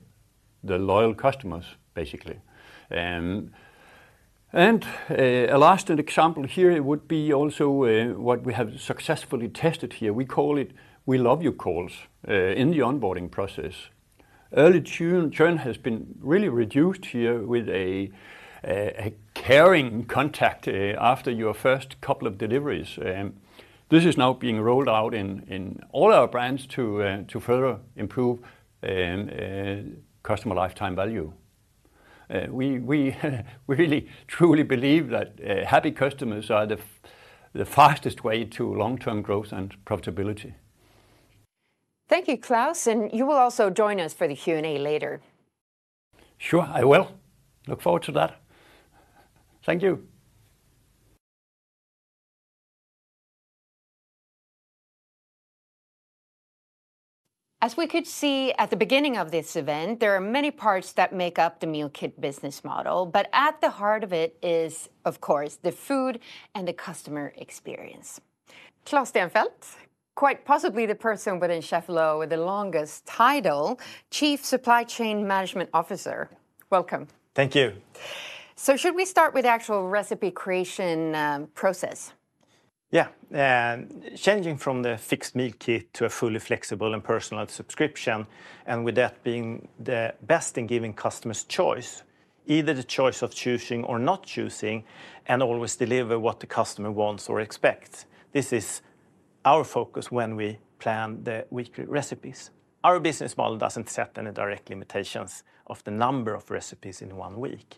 last example here would be also what we have successfully tested here. We call it We Love You calls in the onboarding process. Early churn has been really reduced here with a caring contact after your first couple of deliveries. This is now being rolled out in all our brands to further improve customer lifetime value. We really truly believe that happy customers are the fastest way to long-term growth and profitability. Thank you, Klaus, and you will also join us for the Q&A later. Sure, I will. Look forward to that. Thank you. As we could see at the beginning of this event, there are many parts that make up the meal kit business model, but at the heart of it is, of course, the food and the customer experience. Claes Stenfeldt, quite possibly the person within Cheffelo with the longest title, Chief Supply Chain Management Officer. Welcome. Thank you. Should we start with actual recipe creation process? Yeah. Changing from the fixed meal kit to a fully flexible and personalized subscription, and with that being the best in giving customers choice, either the choice of choosing or not choosing, and always deliver what the customer wants or expects. This is our focus when we plan the weekly recipes. Our business model doesn't set any direct limitations of the number of recipes in one week.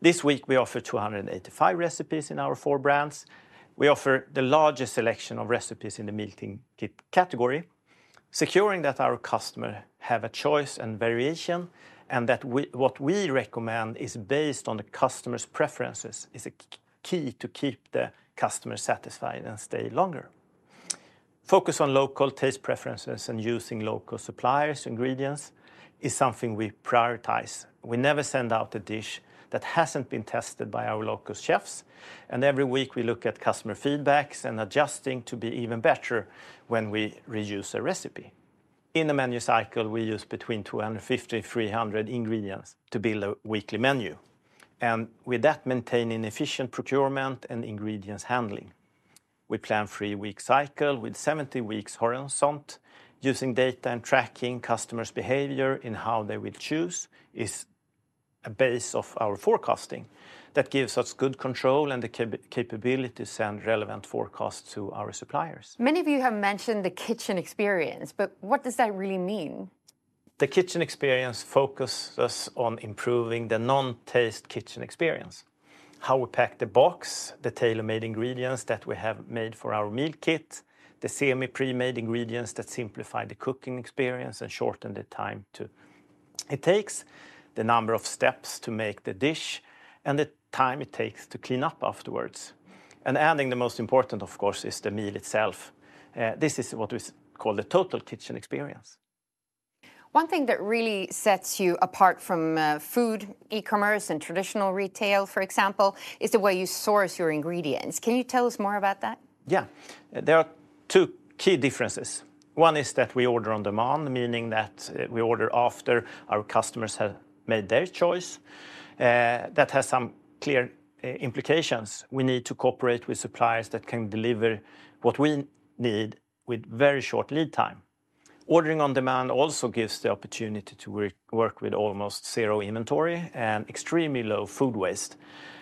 This week, we offer 285 recipes in our four brands. We offer the largest selection of recipes in the meal kit category, securing that our customer have a choice and variation, and that what we recommend is based on the customer's preferences, is a key to keep the customer satisfied and stay longer. Focus on local taste preferences and using local suppliers, ingredients, is something we prioritize. We never send out a dish that hasn't been tested by our local chefs, and every week we look at customer feedback and adjusting to be even better when we reuse a recipe. In the menu cycle, we use between 250-300 ingredients to build a weekly menu, and with that, maintaining efficient procurement and ingredients handling. We plan three-week cycle with 70 weeks horizontal, using data and tracking customers' behavior in how they will choose is a base of our forecasting. That gives us good control and the capability to send relevant forecasts to our suppliers. Many of you have mentioned the kitchen experience, but what does that really mean? The kitchen experience focuses on improving the non-taste kitchen experience. How we pack the box, the tailor-made ingredients that we have made for our meal kit, the semi-pre-made ingredients that simplify the cooking experience and shorten the time it takes, the number of steps to make the dish, and the time it takes to clean up afterwards. Adding the most important, of course, is the meal itself. This is what we call the total kitchen experience. One thing that really sets you apart from food e-commerce and traditional retail, for example, is the way you source your ingredients. Can you tell us more about that? Yeah. There are two key differences. One is that we order on demand, meaning that we order after our customers have made their choice. That has some clear implications. We need to cooperate with suppliers that can deliver what we need with very short lead time. Ordering on demand also gives the opportunity to work with almost zero inventory and extremely low food waste,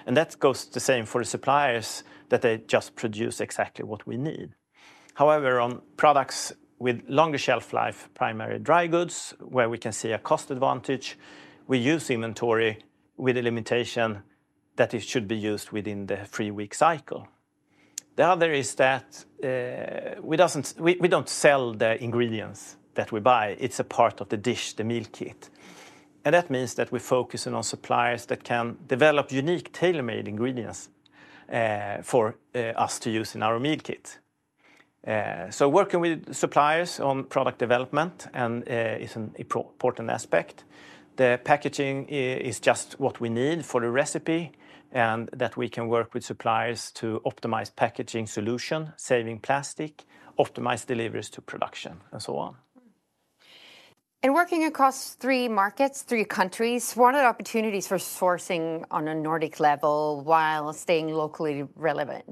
and that goes the same for the suppliers, that they just produce exactly what we need. However, on products with longer shelf life, primary dry goods, where we can see a cost advantage, we use inventory with a limitation that it should be used within the three-week cycle. The other is that we don't sell the ingredients that we buy. It's a part of the dish, the meal kit, and that means that we're focusing on suppliers that can develop unique, tailor-made ingredients, for us to use in our meal kit. So working with suppliers on product development and is an important aspect. The packaging is just what we need for the recipe, and that we can work with suppliers to optimize packaging solution, saving plastic, optimize deliveries to production, and so on. Working across three markets, three countries, what are the opportunities for sourcing on a Nordic level while staying locally relevant?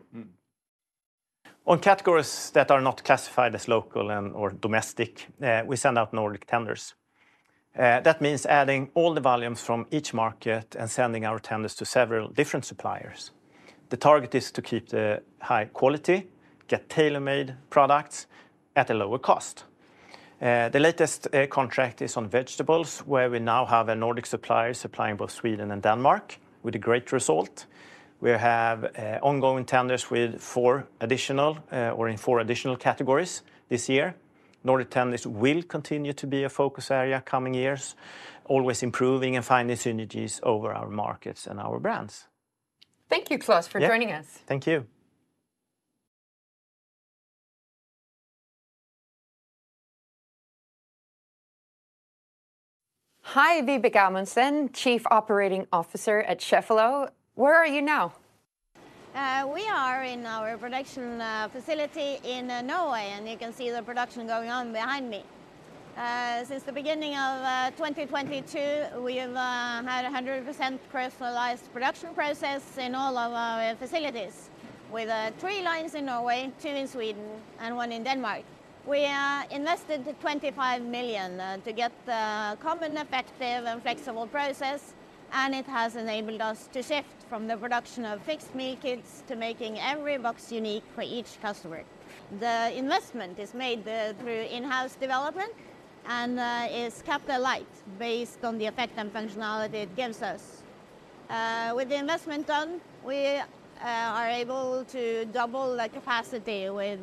On categories that are not classified as local and/or domestic, we send out Nordic tenders. That means adding all the volumes from each market and sending our tenders to several different suppliers. The target is to keep the high quality, get tailor-made products at a lower cost. The latest contract is on vegetables, where we now have a Nordic supplier supplying both Sweden and Denmark with a great result. We have ongoing tenders with four additional, or in four additional categories this year. Nordic tenders will continue to be a focus area coming years, always improving and finding synergies over our markets and our brands. Thank you, Claes- Yeah.... for joining us. Thank you. Hi, Vibeke Amundsen, Chief Operating Officer at Cheffelo. Where are you now? We are in our production facility in Norway, and you can see the production going on behind me. Since the beginning of 2022, we've had 100% crystallized production process in all of our facilities, with three lines in Norway, two in Sweden, and one in Denmark. We invested 25 million to get the common, effective, and flexible process, and it has enabled us to shift from the production of fixed meal kits to making every box unique for each customer. The investment is made through in-house development and is capital light, based on the effect and functionality it gives us. With the investment done, we are able to double the capacity with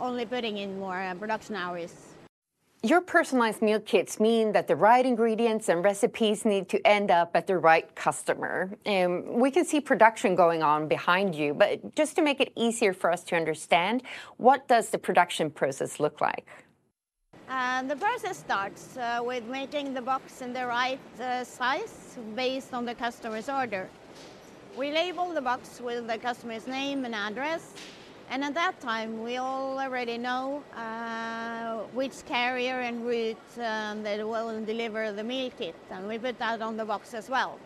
only putting in more production hours. Your personalized meal kits mean that the right ingredients and recipes need to end up at the right customer, and we can see production going on behind you, but just to make it easier for us to understand, what does the production process look like? The process starts with making the box in the right size, based on the customer's order. We label the box with the customer's name and address, and at that time, we already know which carrier and route that will deliver the meal kit, and we put that on the box as well.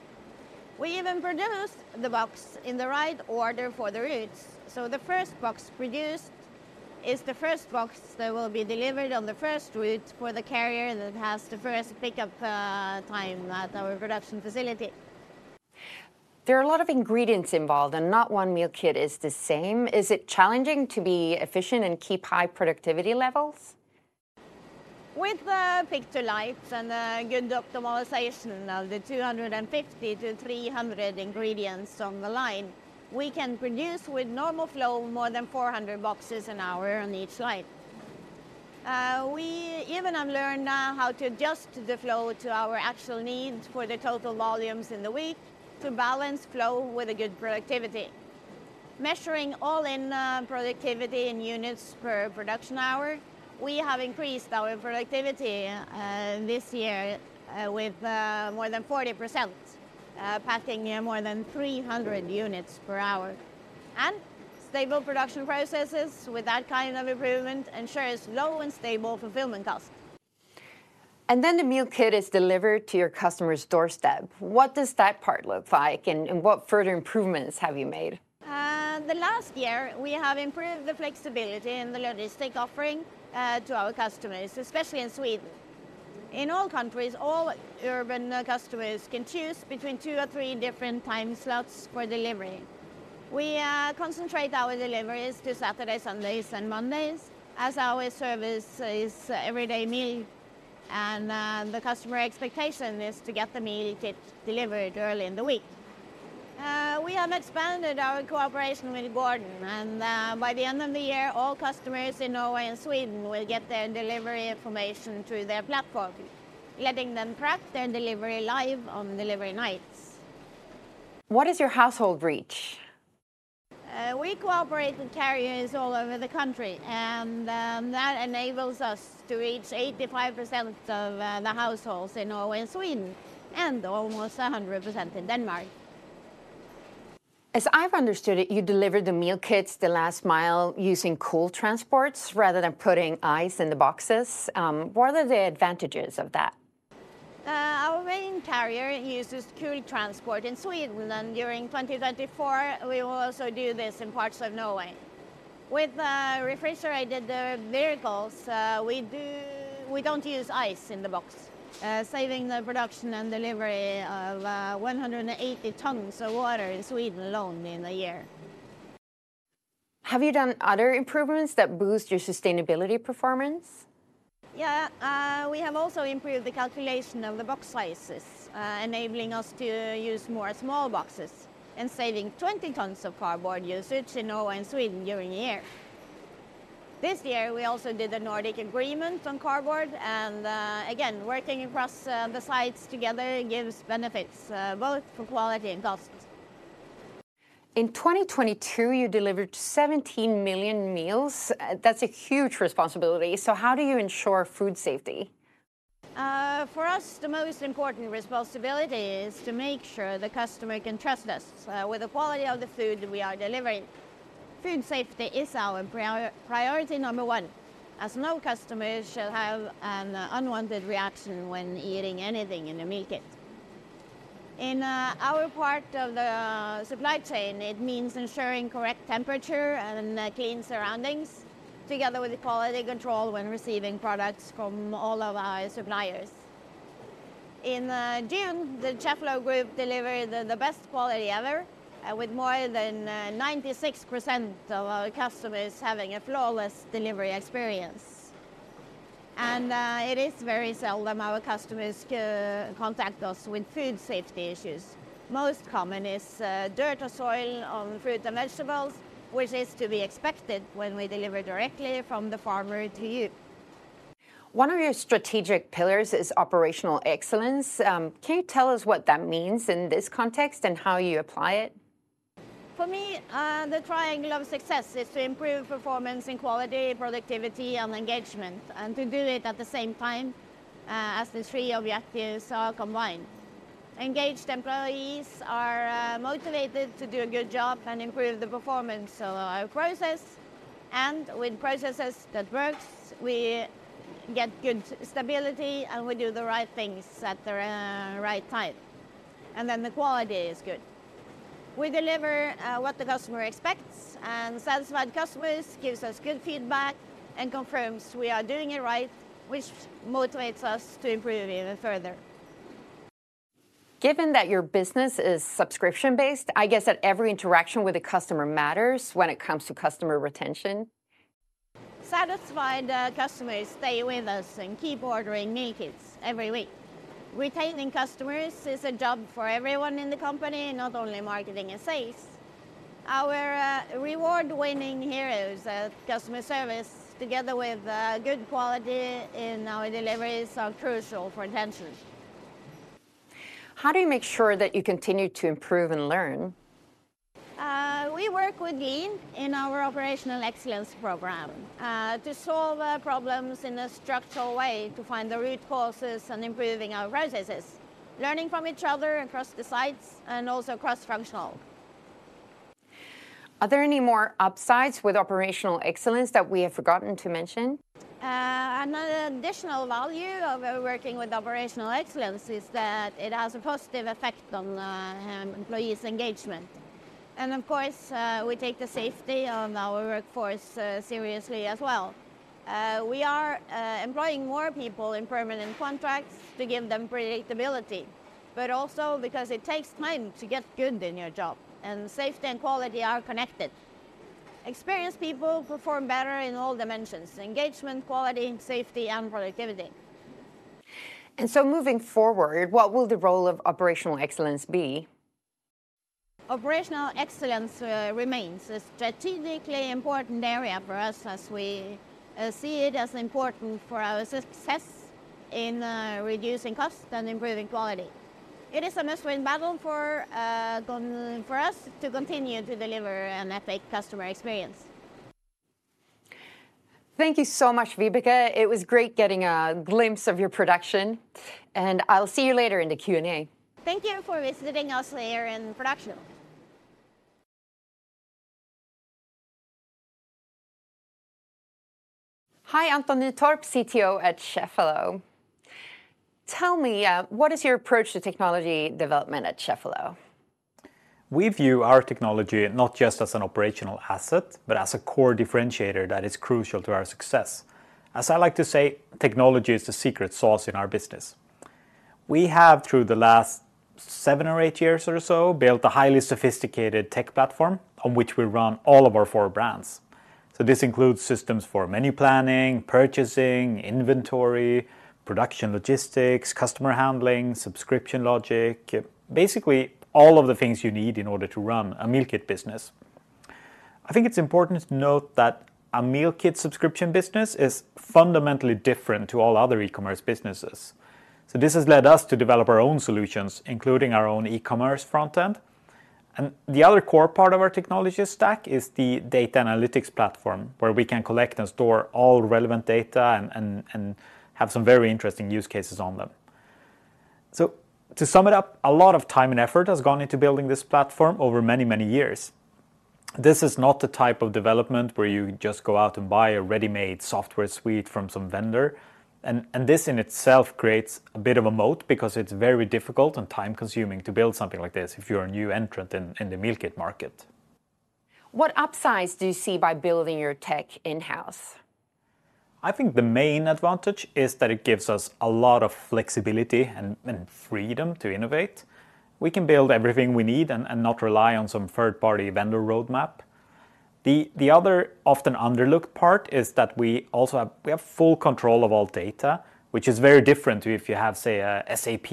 We even produce the box in the right order for the routes, so the first box produced is the first box that will be delivered on the first route for the carrier that has the first pickup time at our production facility. There are a lot of ingredients involved, and not one meal kit is the same. Is it challenging to be efficient and keep high productivity levels? With picked lights and a good optimization of the 250-300 ingredients on the line, we can produce with normal flow more than 400 boxes an hour on each line. We even have learned now how to adjust the flow to our actual needs for the total volumes in the week to balance flow with a good productivity. Measuring all in productivity in units per production hour, we have increased our productivity this year with more than 40%, packing, yeah, more than 300 units per hour. Stable production processes with that kind of improvement ensures low and stable fulfillment costs. And then the meal kit is delivered to your customer's doorstep. What does that part look like, and what further improvements have you made? The last year, we have improved the flexibility in the logistic offering to our customers, especially in Sweden. In all countries, all urban customers can choose between two or three different time slots for delivery. We concentrate our deliveries to Saturdays, Sundays, and Mondays, as our service is everyday meal, and the customer expectation is to get the meal kit delivered early in the week. We have expanded our cooperation with Gordon, and by the end of the year, all customers in Norway and Sweden will get their delivery information through their platform, letting them track their delivery live on delivery nights. What is your household reach? We cooperate with carriers all over the country, and that enables us to reach 85% of the households in Norway and Sweden, and almost 100% in Denmark. As I've understood it, you deliver the meal kits the last mile using cool transports rather than putting ice in the boxes. What are the advantages of that? Our main carrier uses cool transport in Sweden, and during 2024, we will also do this in parts of Norway. With refrigerated vehicles, we don't use ice in the box, saving the production and delivery of 180 tons of water in Sweden alone in a year. Have you done other improvements that boost your sustainability performance? Yeah. We have also improved the calculation of the box sizes, enabling us to use more small boxes and saving 20 tons of cardboard usage in Norway and Sweden during a year. This year, we also did a Nordic agreement on cardboard, and again, working across the sites together gives benefits both for quality and cost. In 2022, you delivered 17 million meals. That's a huge responsibility, so how do you ensure food safety? For us, the most important responsibility is to make sure the customer can trust us with the quality of the food we are delivering. Food safety is our priority number one, as no customer shall have an unwanted reaction when eating anything in a meal kit. In our part of the supply chain, it means ensuring correct temperature and clean surroundings, together with the quality control when receiving products from all of our suppliers. In June, Cheffelo delivered the best quality ever with more than 96% of our customers having a flawless delivery experience. It is very seldom our customers contact us with food safety issues. Most common is dirt or soil on fruit and vegetables, which is to be expected when we deliver directly from the farmer to you. One of your strategic pillars is operational excellence. Can you tell us what that means in this context, and how you apply it? For me, the triangle of success is to improve performance and quality, productivity, and engagement, and to do it at the same time, as the three objectives are combined. Engaged employees are motivated to do a good job and improve the performance of our process, and with processes that works, we get good stability, and we do the right things at the right time, and then the quality is good. We deliver what the customer expects, and satisfied customers gives us good feedback and confirms we are doing it right, which motivates us to improve even further. Given that your business is subscription-based, I guess that every interaction with a customer matters when it comes to customer retention? Satisfied customers stay with us and keep ordering meal kits every week. Retaining customers is a job for everyone in the company, not only marketing and sales. Our award-winning heroes, customer service, together with good quality in our deliveries, are crucial for retention. How do you make sure that you continue to improve and learn? We work with lean in our operational excellence program to solve problems in a structural way, to find the root causes and improving our processes, learning from each other across the sites and also cross-functional. Are there any more upsides with operational excellence that we have forgotten to mention? Another additional value of working with operational excellence is that it has a positive effect on employees' engagement. And of course, we take the safety of our workforce seriously as well. We are employing more people in permanent contracts to give them predictability, but also because it takes time to get good in your job, and safety and quality are connected. Experienced people perform better in all dimensions: engagement, quality, safety, and productivity. Moving forward, what will the role of operational excellence be? Operational excellence remains a strategically important area for us, as we see it as important for our success in reducing cost and improving quality. It is a must-win battle for us to continue to deliver an epic customer experience. Thank you so much, Vibeke. It was great getting a glimpse of your production, and I'll see you later in the Q&A. Thank you for visiting us here in production. Hi, Anton Nytorp, CTO at Cheffelo. Tell me, what is your approach to technology development at Cheffelo? We view our technology not just as an operational asset, but as a core differentiator that is crucial to our success. As I like to say, technology is the secret sauce in our business. We have, through the last seven or eight years or so, built a highly sophisticated tech platform on which we run all of our four brands. So this includes systems for menu planning, purchasing, inventory, production, logistics, customer handling, subscription logic, basically all of the things you need in order to run a meal kit business. I think it's important to note that a meal kit subscription business is fundamentally different to all other e-commerce businesses, so this has led us to develop our own solutions, including our own e-commerce front end. And the other core part of our technology stack is the data analytics platform, where we can collect and store all relevant data and have some very interesting use cases on them. So to sum it up, a lot of time and effort has gone into building this platform over many, many years. This is not the type of development where you just go out and buy a ready-made software suite from some vendor, and this in itself creates a bit of a moat, because it's very difficult and time-consuming to build something like this if you're a new entrant in the meal kit market. What upsides do you see by building your tech in-house? I think the main advantage is that it gives us a lot of flexibility and freedom to innovate. We can build everything we need and not rely on some third-party vendor roadmap. The other often underlooked part is that we also have... We have full control of all data, which is very different to if you have, say, a SAP,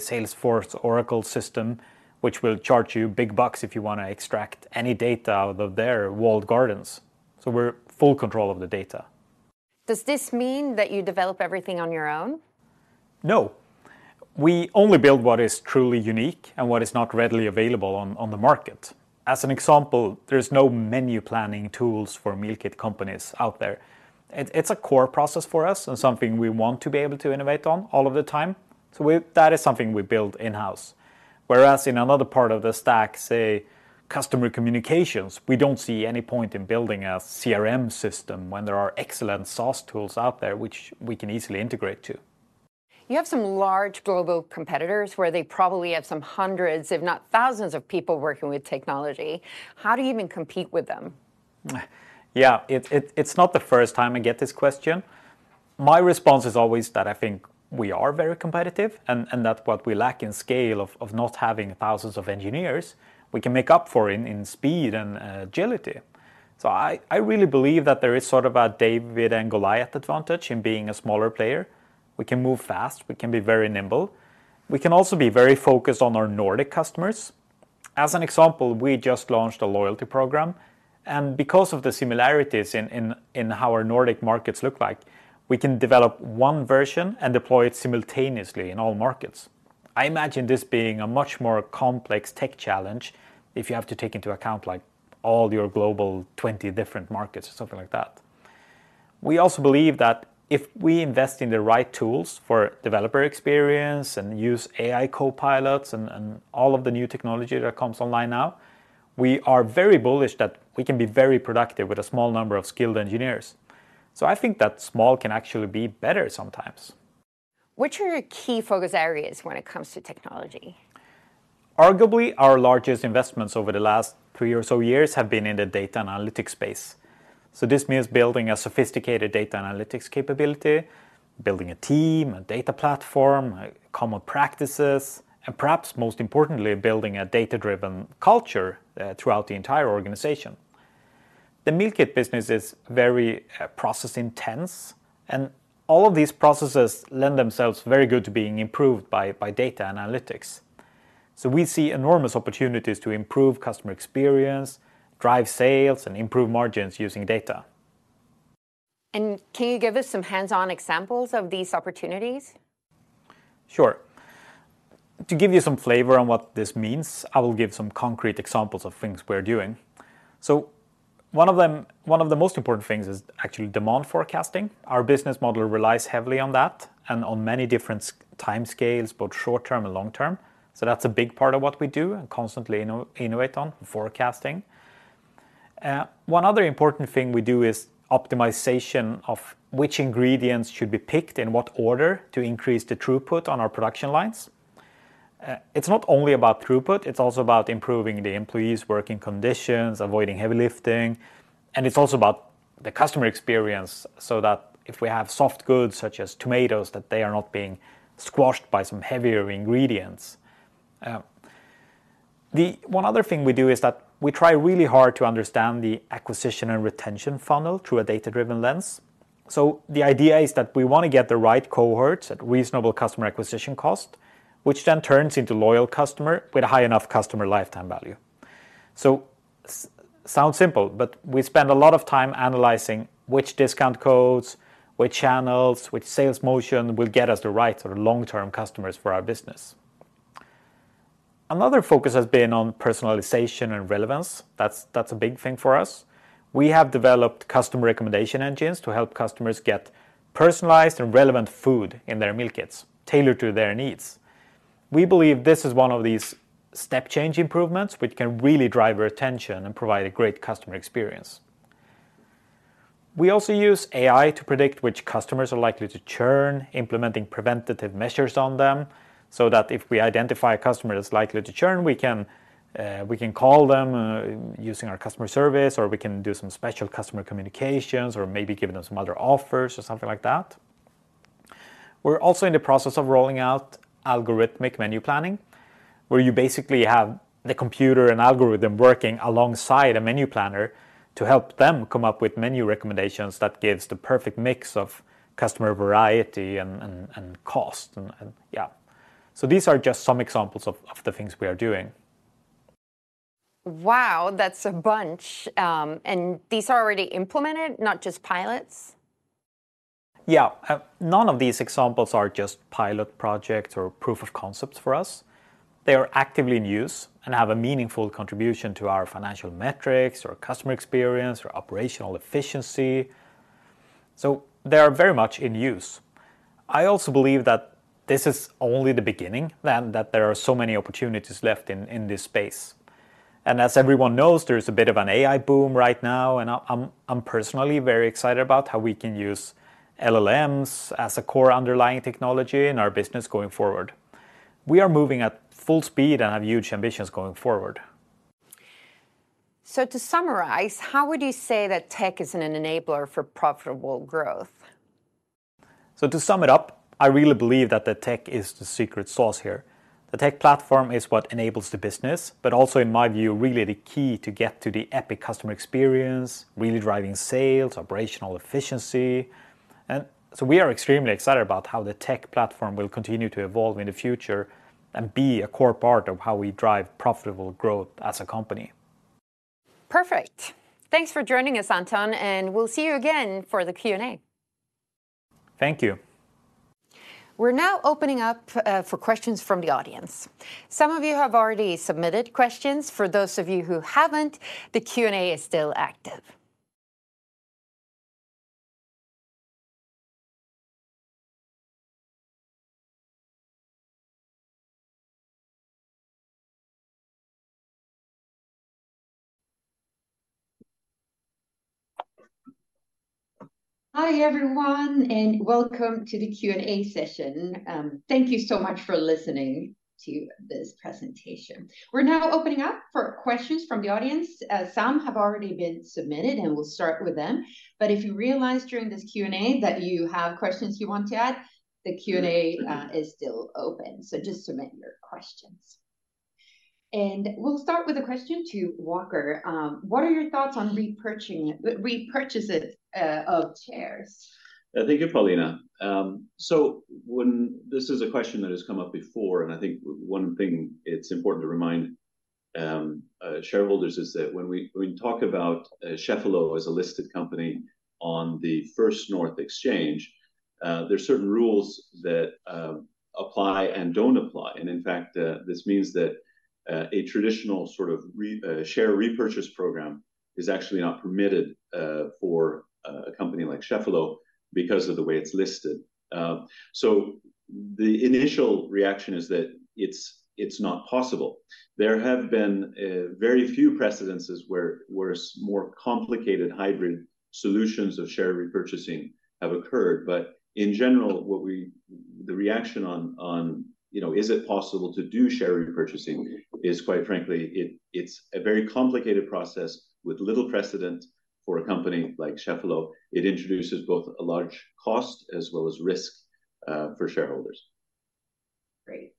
Salesforce, Oracle system, which will charge you big bucks if you wanna extract any data out of their walled gardens. So we're full control of the data. Does this mean that you develop everything on your own? We only build what is truly unique and what is not readily available on the market. As an example, there's no menu planning tools for meal kit companies out there. It's a core process for us and something we want to be able to innovate on all of the time, so that is something we build in-house. Whereas in another part of the stack, say, customer communications, we don't see any point in building a CRM system when there are excellent source tools out there which we can easily integrate to. You have some large global competitors where they probably have some hundreds, if not thousands, of people working with technology. How do you even compete with them? Yeah, it's not the first time I get this question. My response is always that I think we are very competitive, and that what we lack in scale of not having thousands of engineers, we can make up for in speed and agility. So I really believe that there is sort of a David and Goliath advantage in being a smaller player. We can move fast. We can be very nimble. We can also be very focused on our Nordic customers. As an example, we just launched a loyalty program, and because of the similarities in how our Nordic markets look like, we can develop one version and deploy it simultaneously in all markets. I imagine this being a much more complex tech challenge if you have to take into account, like, all your global 20 different markets or something like that. We also believe that if we invest in the right tools for developer experience and use AI co-pilots and all of the new technology that comes online now, we are very bullish that we can be very productive with a small number of skilled engineers. So I think that small can actually be better sometimes. What are your key focus areas when it comes to technology? Arguably, our largest investments over the last three or so years have been in the data analytics space. This means building a sophisticated data analytics capability, building a team, a data platform, common practices, and perhaps most importantly, building a data-driven culture throughout the entire organization. The meal kit business is very process-intense, and all of these processes lend themselves very good to being improved by data analytics. We see enormous opportunities to improve customer experience, drive sales, and improve margins using data. Can you give us some hands-on examples of these opportunities? Sure. To give you some flavor on what this means, I will give some concrete examples of things we are doing. One of the most important things is actually demand forecasting. Our business model relies heavily on that and on many different timescales, both short term and long term, so that's a big part of what we do and constantly innovate on, forecasting. One other important thing we do is optimization of which ingredients should be picked in what order to increase the throughput on our production lines. It's not only about throughput, it's also about improving the employees' working conditions, avoiding heavy lifting, and it's also about the customer experience, so that if we have soft goods, such as tomatoes, that they are not being squashed by some heavier ingredients. The one other thing we do is that we try really hard to understand the acquisition and retention funnel through a data-driven lens. So the idea is that we want to get the right cohorts at reasonable customer acquisition cost, which then turns into loyal customer with a high enough customer lifetime value. So sounds simple, but we spend a lot of time analyzing which discount codes, which channels, which sales motion will get us the right sort of long-term customers for our business. Another focus has been on personalization and relevance. That's, that's a big thing for us. We have developed customer recommendation engines to help customers get personalized and relevant food in their meal kits, tailored to their needs. We believe this is one of these step-change improvements which can really drive retention and provide a great customer experience. We also use AI to predict which customers are likely to churn, implementing preventative measures on them, so that if we identify a customer that's likely to churn, we can, we can call them, using our customer service, or we can do some special customer communications or maybe giving them some other offers or something like that. We're also in the process of rolling out algorithmic menu planning, where you basically have the computer and algorithm working alongside a menu planner to help them come up with menu recommendations that gives the perfect mix of customer variety and cost. Yeah. So these are just some examples of the things we are doing. Wow, that's a bunch! And these are already implemented, not just pilots? Yeah. None of these examples are just pilot projects or proof of concepts for us. They are actively in use and have a meaningful contribution to our financial metrics or customer experience or operational efficiency. So they are very much in use. I also believe that this is only the beginning, then, that there are so many opportunities left in this space. And as everyone knows, there's a bit of an AI boom right now, and I'm personally very excited about how we can use LLMs as a core underlying technology in our business going forward. We are moving at full speed and have huge ambitions going forward. To summarize, how would you say that tech is an enabler for profitable growth? To sum it up, I really believe that the tech is the secret sauce here. The tech platform is what enables the business, but also, in my view, really the key to get to the epic customer experience, really driving sales, operational efficiency. So we are extremely excited about how the tech platform will continue to evolve in the future and be a core part of how we drive profitable growth as a company. Perfect. Thanks for joining us, Anton, and we'll see you again for the Q&A. Thank you. We're now opening up for questions from the audience. Some of you have already submitted questions. For those of you who haven't, the Q&A is still active. Hi, everyone, and welcome to the Q&A session. Thank you so much for listening to this presentation. We're now opening up for questions from the audience. Some have already been submitted, and we'll start with them. But if you realize during this Q&A that you have questions you want to add, the Q&A is still open, so just submit your questions. And we'll start with a question to Walker. What are your thoughts on repurchases of shares? Thank you, Paulina. This is a question that has come up before, and I think one thing it's important to remind shareholders is that when we talk about Cheffelo as a listed company on the Nasdaq First North, there are certain rules that apply and don't apply. And in fact, this means that a traditional sort of share repurchase program is actually not permitted for a company like Cheffelo because of the way it's listed. So the initial reaction is that it's not possible. There have been very few precedents where more complicated hybrid solutions of share repurchasing have occurred. But in general, what we... The reaction on, you know, is it possible to do share repurchasing is, quite frankly, it's a very complicated process with little precedent for a company like Cheffelo. It introduces both a large cost as well as risk for shareholders. Great.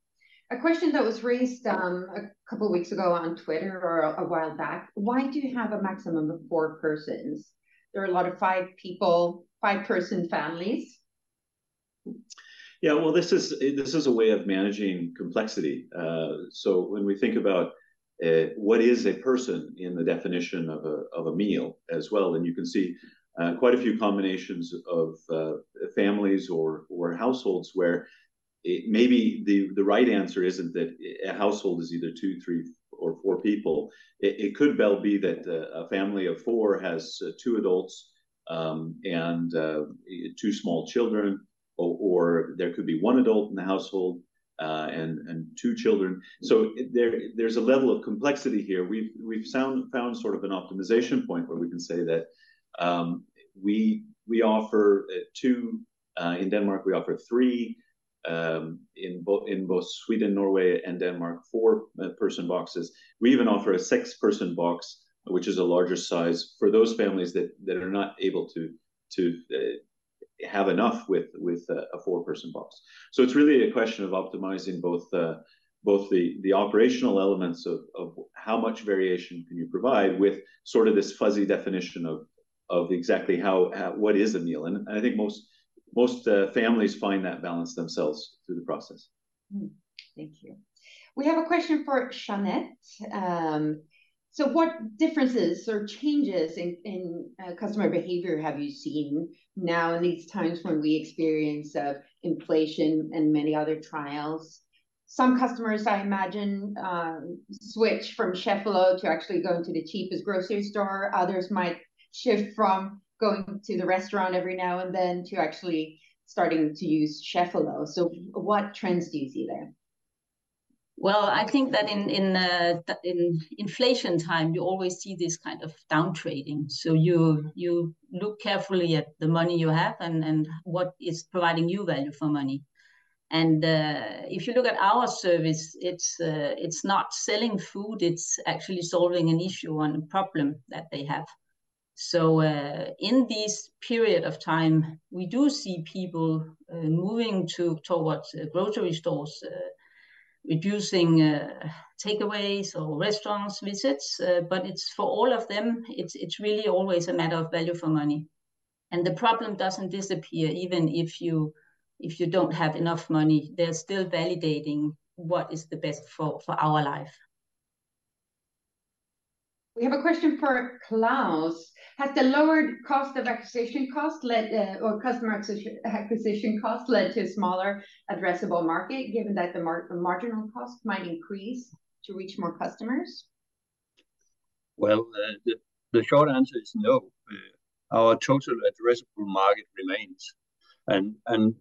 A question that was raised, a couple of weeks ago on Twitter or a while back: Why do you have a maximum of four persons? There are a lot of five people, five-person families. Yeah, well, this is a way of managing complexity. So when we think about what is a person in the definition of a meal as well, then you can see quite a few combinations of families or households where maybe the right answer isn't that a household is either two, three, or four people. It could well be that a family of four has two adults and two small children, or there could be one adult in the household and two children. So there's a level of complexity here. We've found sort of an optimization point where we can say that we offer two, in Denmark we offer three, in both Sweden, Norway and Denmark, 4-person boxes. We even offer a 6-person box, which is a larger size, for those families that are not able to have enough with a 4-person box. So it's really a question of optimizing both the operational elements of how much variation can you provide with sort of this fuzzy definition of exactly how what is a meal. And I think most families find that balance themselves through the process. Thank you. We have a question for Jeanette. So what differences or changes in, in, customer behavior have you seen now in these times when we experience, inflation and many other trials? Some customers, I imagine, switch from Cheffelo to actually going to the cheapest grocery store. Others might shift from going to the restaurant every now and then to actually starting to use Cheffelo. So what trends do you see there? Well, I think that in inflation time, you always see this kind of down trading. So you look carefully at the money you have and what is providing you value for money. And if you look at our service, it's not selling food, it's actually solving an issue and a problem that they have. So in this period of time, we do see people moving towards grocery stores, reducing takeaways or restaurant visits, but it's for all of them, it's really always a matter of value for money. And the problem doesn't disappear even if you don't have enough money. They're still validating what is the best for our life. We have a question for Claes. Has the lowered cost of acquisition cost led, or customer acquisition cost led to a smaller addressable market, given that the marginal cost might increase to reach more customers? Well, the short answer is no. Our total addressable market remains. And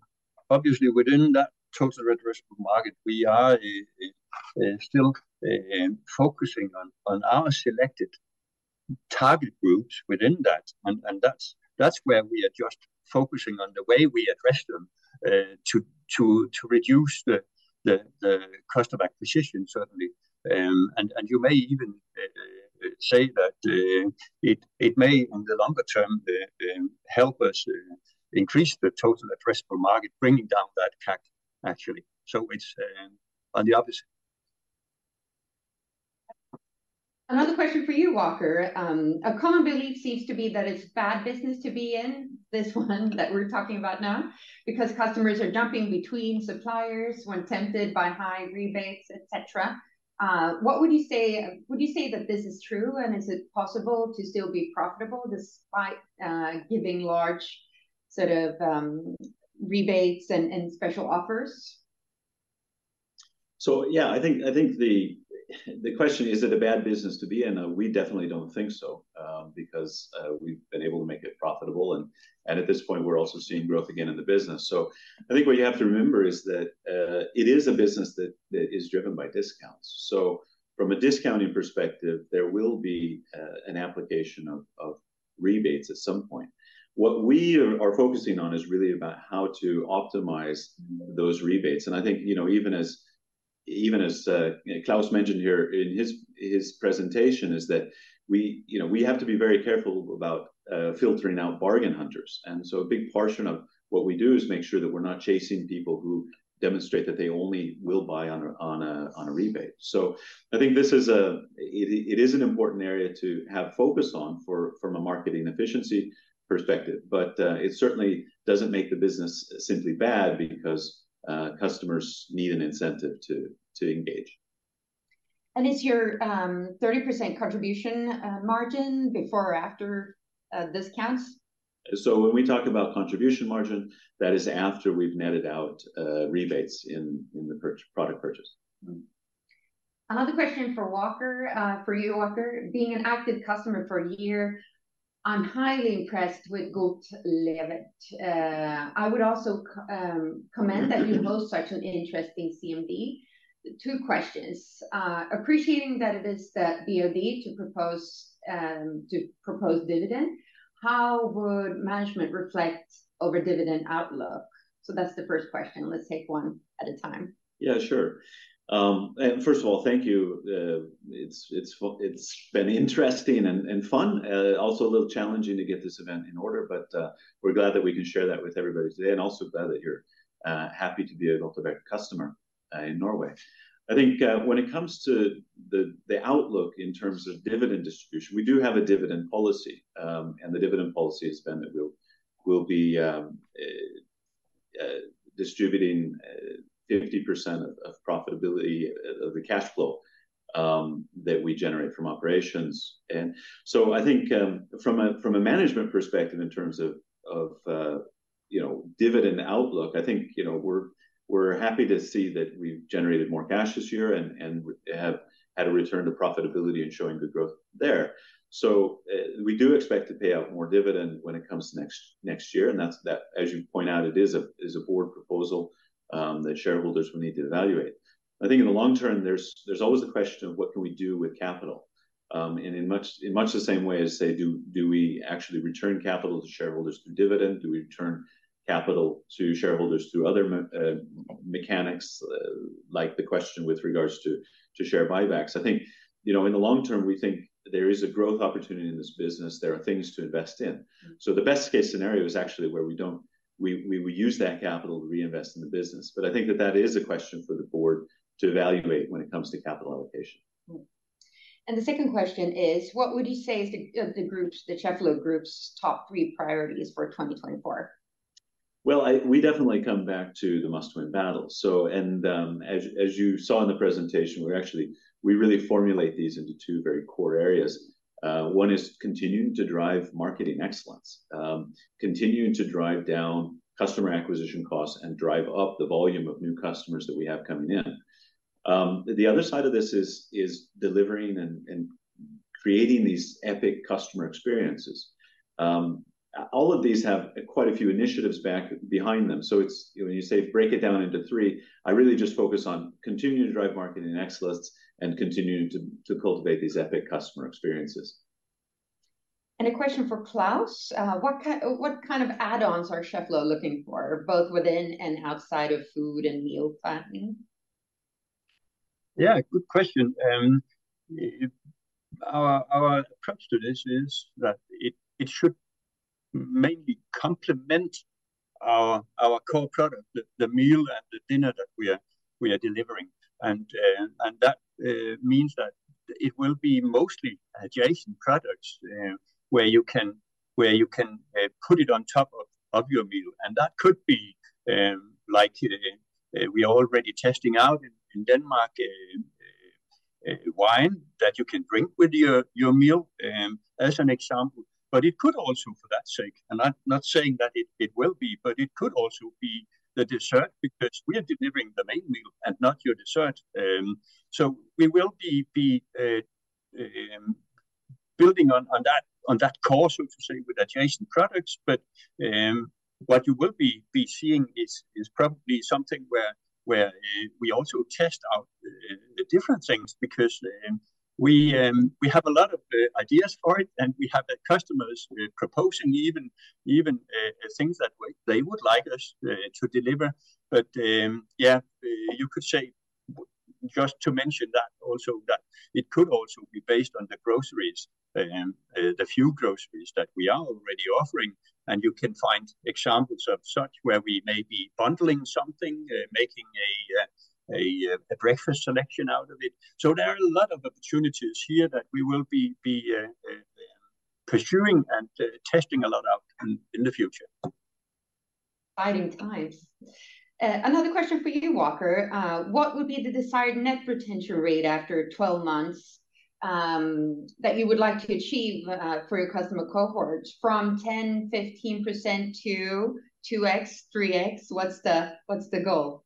obviously, within that total addressable market, we are still focusing on our selected target groups within that. And that's where we are just focusing on the way we address them to reduce the cost of acquisition, certainly. And you may even say that it may, on the longer term, help us increase the total addressable market, bringing down that track, actually. So it's on the opposite. Another question for you, Walker. A common belief seems to be that it's bad business to be in, this one that we're talking about now, because customers are jumping between suppliers when tempted by high rebates, et cetera. What would you say... Would you say that this is true, and is it possible to still be profitable despite, giving large, sort of, rebates and, and special offers? So yeah, I think the question is it a bad business to be in? We definitely don't think so, because we've been able to make it profitable, and at this point, we're also seeing growth again in the business. So I think what you have to remember is that it is a business that is driven by discounts. So from a discounting perspective, there will be an application of rebates at some point. What we are focusing on is really about how to optimize those rebates. And I think, you know, even as Claes mentioned here in his presentation, is that we, you know, we have to be very careful about filtering out bargain hunters. A big portion of what we do is make sure that we're not chasing people who demonstrate that they only will buy on a rebate. So I think this is an important area to have focus on from a marketing efficiency perspective. But it certainly doesn't make the business simply bad because customers need an incentive to engage. Is your 30% Contribution Margin before or after discounts? When we talk about Contribution Margin, that is after we've netted out rebates in the product purchase. Another question for Walker, for you, Walker. Being an active customer for a year, I'm highly impressed with GodtLevert. I would also comment that you host such an interesting CMD. Two questions. Appreciating that it is the BOD to propose dividend, how would management reflect over dividend outlook? So that's the first question. Let's take one at a time. Yeah, sure. First of all, thank you. It's been interesting and fun, also a little challenging to get this event in order, but we're glad that we can share that with everybody today, and also glad that you're happy to be a GodtLevert customer in Norway. I think, when it comes to the outlook in terms of dividend distribution, we do have a dividend policy, and the dividend policy has been that we'll be distributing 50% of profitability of the cash flow that we generate from operations. I think from a management perspective, in terms of you know, dividend outlook, I think you know, we're happy to see that we've generated more cash this year and have had a return to profitability and showing good growth there. We do expect to pay out more dividend when it comes next year, and that's as you point out, it is a board proposal that shareholders will need to evaluate. I think in the long term, there's always the question of what can we do with capital? And in much the same way as, say, do we actually return capital to shareholders through dividend? Do we return capital to shareholders through other mechanics? Like the question with regards to share buybacks. I think, you know, in the long term, we think there is a growth opportunity in this business. There are things to invest in. So the best-case scenario is actually where we don't... We use that capital to reinvest in the business. But I think that that is a question for the board to evaluate when it comes to capital allocation. Mm-hmm. The second question is, what would you say is the, of the group's, the Cheffelo group's top three priorities for 2024? Well, we definitely come back to the must-win battle. So, as you saw in the presentation, we're we really formulate these into two very core areas. One is continuing to drive marketing excellence, continuing to drive down customer acquisition costs and drive up the volume of new customers that we have coming in. The other side of this is delivering and creating these epic customer experiences. All of these have quite a few initiatives back behind them. So it's, when you say break it down into three, I really just focus on continuing to drive marketing excellence and continuing to cultivate these epic customer experiences. A question for Claes. What kind of add-ons are Cheffelo looking for, both within and outside of food and meal planning? Yeah, good question. Our approach to this is that it should mainly complement our core product, the meal and the dinner that we are delivering. And that means that it will be mostly adjacent products, where you can put it on top of your meal. And that could be, like, we are already testing out in Denmark, wine that you can drink with your meal, as an example. But it could also, for that sake, and I'm not saying that it will be, but it could also be the dessert, because we are delivering the main meal and not your dessert. So we will be building on that course, so to say, with adjacent products. But, what you will be seeing is probably something where we also test out the different things, because we have a lot of ideas for it, and we have the customers proposing even things that they would like us to deliver. But, yeah, you could say, just to mention that also, that it could also be based on the groceries, the few groceries that we are already offering, and you can find examples of such, where we may be bundling something, making a breakfast selection out of it. So there are a lot of opportunities here that we will be pursuing and testing a lot out in the future. Exciting times. Another question for you, Walker. What would be the desired net retention rate after 12 months that you would like to achieve for your customer cohorts from 10%-15% to 2x-3x? What's the goal?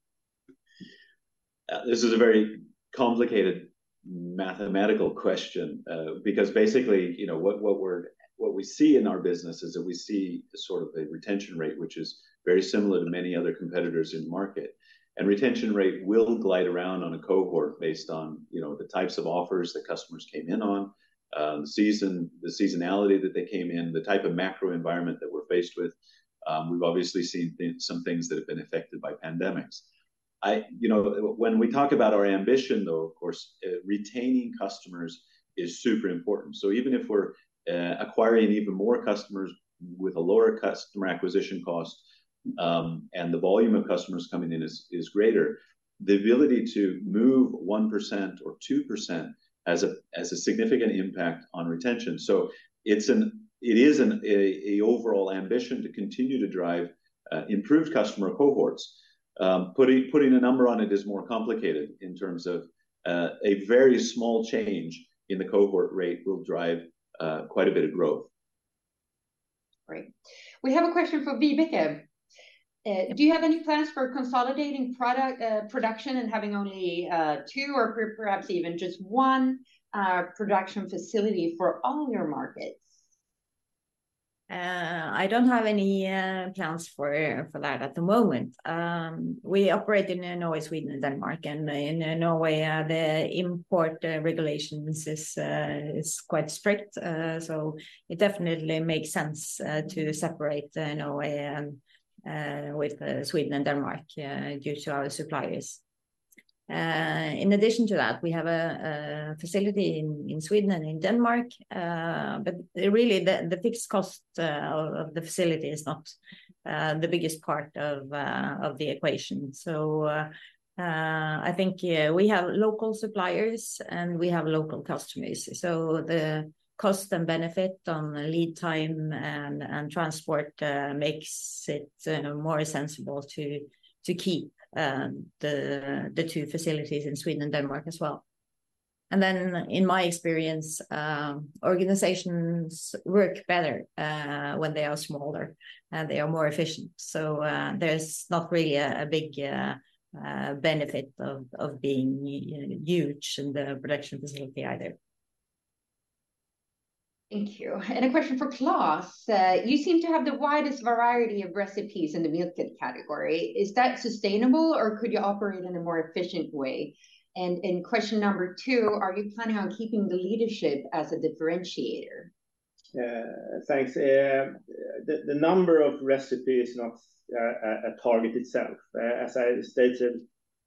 This is a very complicated mathematical question. Because basically, you know, what we see in our business is that we see sort of a retention rate, which is very similar to many other competitors in the market. Retention rate will glide around on a cohort based on, you know, the types of offers that customers came in on, the season, the seasonality that they came in, the type of macro environment that we're faced with. We've obviously seen things, some things that have been affected by pandemics. You know, when we talk about our ambition, though, of course, retaining customers is super important. So even if we're acquiring even more customers with a lower customer acquisition cost, and the volume of customers coming in is greater, the ability to move 1% or 2% has a significant impact on retention. So it is an overall ambition to continue to drive improved customer cohorts. Putting a number on it is more complicated in terms of a very small change in the cohort rate will drive quite a bit of growth. Great. We have a question for Vibeke. Do you have any plans for consolidating product production and having only two or perhaps even just one production facility for all your markets? I don't have any plans for that at the moment. We operate in Norway, Sweden, and Denmark, and in Norway, the import regulations is quite strict. So it definitely makes sense to separate Norway with Sweden and Denmark due to our suppliers. In addition to that, we have a facility in Sweden and in Denmark, but really, the fixed cost of the facility is not the biggest part of the equation. So, I think, yeah, we have local suppliers, and we have local customers. So the cost and benefit on the lead time and transport makes it more sensible to keep the two facilities in Sweden and Denmark as well. And then, in my experience, organizations work better when they are smaller, and they are more efficient. So, there's not really a big benefit of being huge in the production facility either. Thank you. A question for Claes: you seem to have the widest variety of recipes in the meal kit category. Is that sustainable, or could you operate in a more efficient way? And, and question number two, are you planning on keeping the leadership as a differentiator? Thanks. The number of recipes is not a target itself. As I stated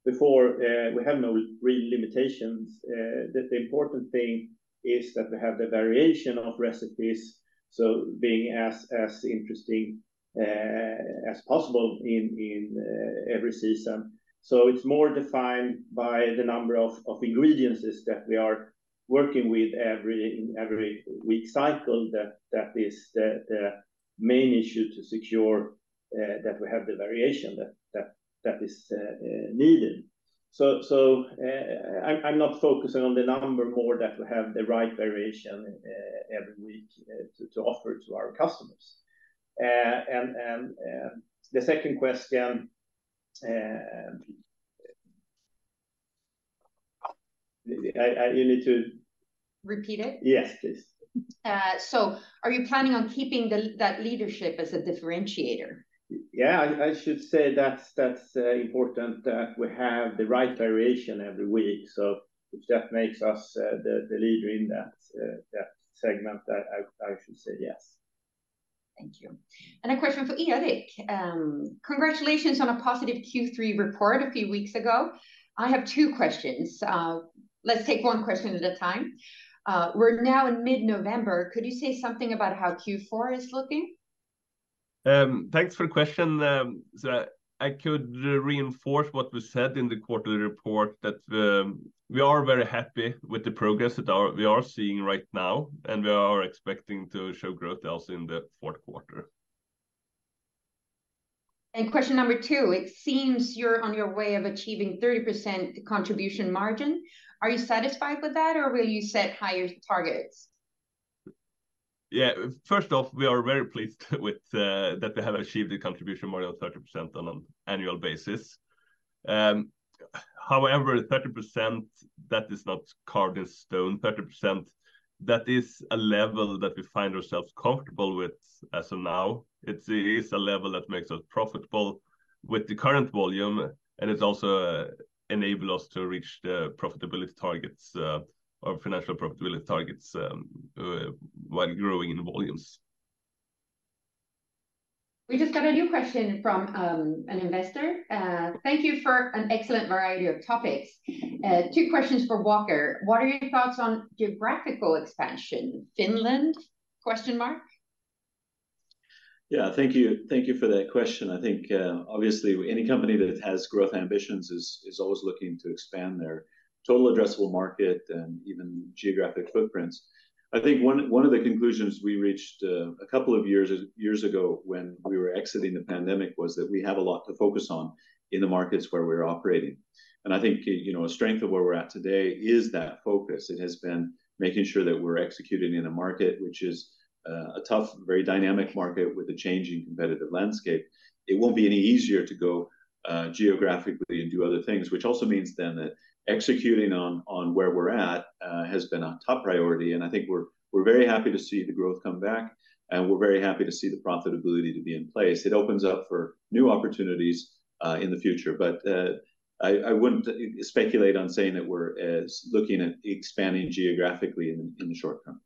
before, we have no real limitations. The important thing is that we have the variation of recipes, so being as interesting as possible in every season. So it's more defined by the number of ingredients that we are working with every week cycle that is the main issue to secure that we have the variation that is needed. So I'm not focusing on the number more that we have the right variation every week to offer to our customers. And the second question, I... You need to- Repeat it? Yes, please. So, are you planning on keeping that leadership as a differentiator? Yeah, I should say that's important that we have the right variation every week. So if that makes us the leader in that segment, I should say yes. Thank you. A question for Erik: congratulations on a positive Q3 report a few weeks ago. I have two questions. Let's take one question at a time. We're now in mid-November. Could you say something about how Q4 is looking? Thanks for the question. So I could reinforce what was said in the quarterly report, that we are very happy with the progress that we are seeing right now, and we are expecting to show growth also in the fourth quarter. Question number 2: It seems you're on your way of achieving 30% contribution margin. Are you satisfied with that, or will you set higher targets? Yeah. First off, we are very pleased with that we have achieved a contribution margin of 30% on an annual basis. However, 30%, that is not carved in stone. 30%, that is a level that we find ourselves comfortable with as of now. It is a level that makes us profitable with the current volume, and it also enable us to reach the profitability targets, or financial profitability targets, while growing in volumes. We just got a new question from, an investor. Thank you for an excellent variety of topics. Two questions for Walker: What are your thoughts on geographical expansion? Finland? Yeah, thank you. Thank you for that question. I think, obviously, any company that has growth ambitions is, is always looking to expand their total addressable market and even geographic footprints. I think one, one of the conclusions we reached, a couple of years, years ago when we were exiting the pandemic was that we have a lot to focus on in the markets where we're operating. And I think, you know, a strength of where we're at today is that focus. It has been making sure that we're executing in a market, which is, a tough, very dynamic market with a changing competitive landscape. It won't be any easier to go geographically and do other things, which also means then that executing on where we're at has been our top priority, and I think we're very happy to see the growth come back, and we're very happy to see the profitability to be in place. It opens up for new opportunities in the future, but I wouldn't speculate on saying that we're as looking at expanding geographically in the short term.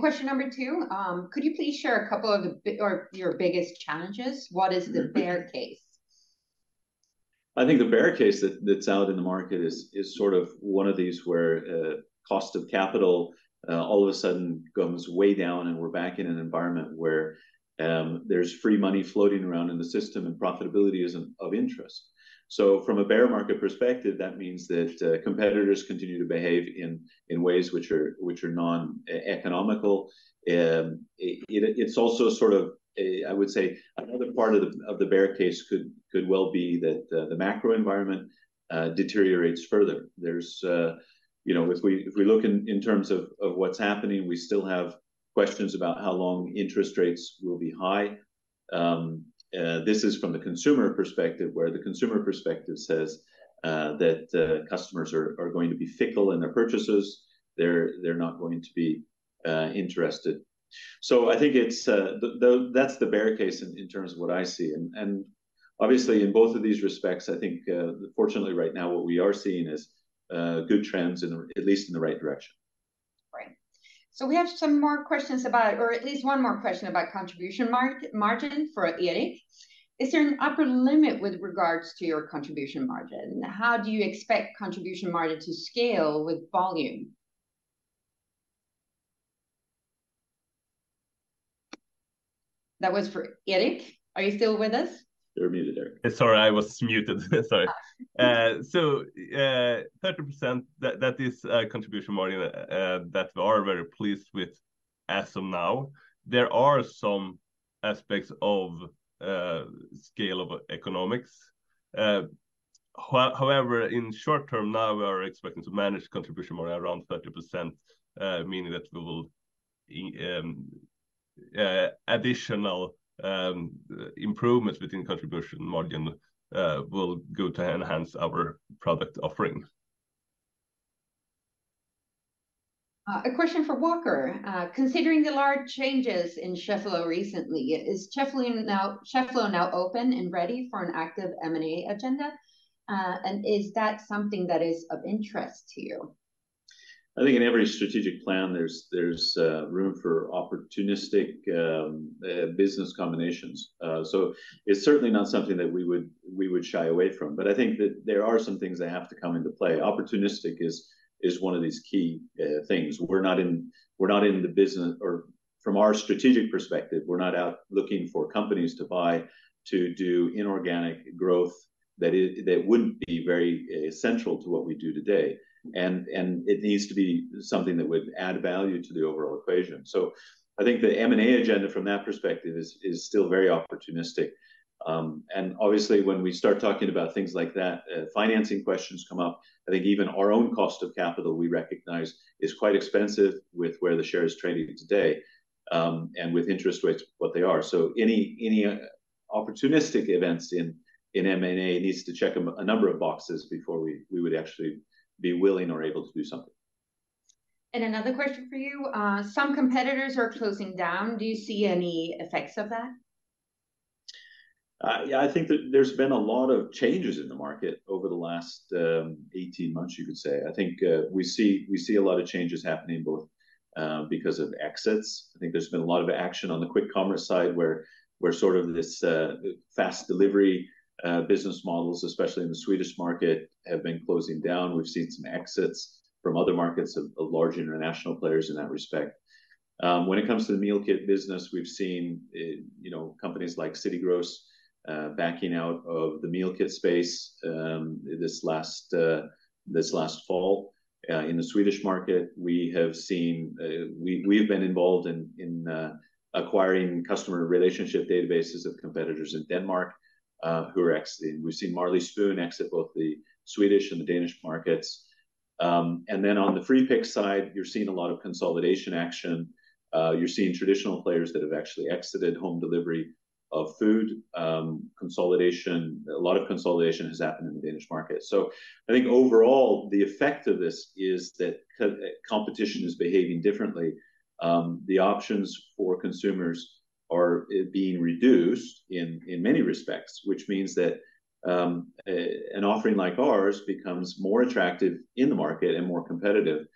Question number two, could you please share a couple of the big... or your biggest challenges? What is the bear case? I think the bear case that's out in the market is sort of one of these where cost of capital all of a sudden goes way down, and we're back in an environment where there's free money floating around in the system, and profitability isn't of interest. So from a bear market perspective, that means that competitors continue to behave in ways which are non-economical. It's also sort of a, I would say, another part of the bear case could well be that the macro environment deteriorates further. There's you know, if we look in terms of what's happening, we still have questions about how long interest rates will be high. This is from the consumer perspective, where the consumer perspective says that customers are going to be fickle in their purchases. They're not going to be interested. So I think it's the bear case in terms of what I see. And obviously, in both of these respects, I think fortunately, right now, what we are seeing is good trends—at least in the right direction. Right. So we have some more questions about or at least one more question about contribution margin for Erik. Is there an upper limit with regards to your contribution margin? How do you expect contribution margin to scale with volume? That was for Erik. Are you still with us? You're muted, Erik. Sorry, I was muted. Sorry. Ah. So, 30%, that, that is, contribution margin that we are very pleased with as of now. There are some aspects of scale of economics. However, in short term, now we are expecting to manage contribution margin around 30%, meaning that we will additional improvements within contribution margin will go to enhance our product offering. A question for Walker. Considering the large changes in Cheffelo recently, is Cheffelo now, Cheffelo now open and ready for an active M&A agenda? And is that something that is of interest to you? I think in every strategic plan, there's room for opportunistic business combinations. So it's certainly not something that we would shy away from. But I think that there are some things that have to come into play. Opportunistic is one of these key things. We're not in the business or from our strategic perspective, we're not out looking for companies to buy to do inorganic growth that wouldn't be very essential to what we do today. And it needs to be something that would add value to the overall equation. So I think the M&A agenda from that perspective is still very opportunistic. And obviously, when we start talking about things like that, financing questions come up. I think even our own cost of capital, we recognize, is quite expensive with where the share is trading today, and with interest rates, what they are. So any opportunistic events in M&A needs to check a number of boxes before we would actually be willing or able to do something. Another question for you. Some competitors are closing down. Do you see any effects of that? Yeah, I think that there's been a lot of changes in the market over the last, 18 months, you could say. I think, we see, we see a lot of changes happening, both, because of exits. I think there's been a lot of action on the quick commerce side, where, where sort of this, fast delivery, business models, especially in the Swedish market, have been closing down. We've seen some exits from other markets of, of large international players in that respect. When it comes to the meal kit business, we've seen, you know, companies like City Gross, backing out of the meal kit space, this last fall. In the Swedish market, we have seen—we, we've been involved in, in, acquiring customer relationship databases of competitors in Denmark, who are exiting. We've seen Marley Spoon exit both the Swedish and the Danish markets. And then on the free pick side, you're seeing a lot of consolidation action. You're seeing traditional players that have actually exited home delivery of food. A lot of consolidation has happened in the Danish market. So I think overall, the effect of this is that competition is behaving differently. The options for consumers are being reduced in many respects, which means that an offering like ours becomes more attractive in the market and more competitive.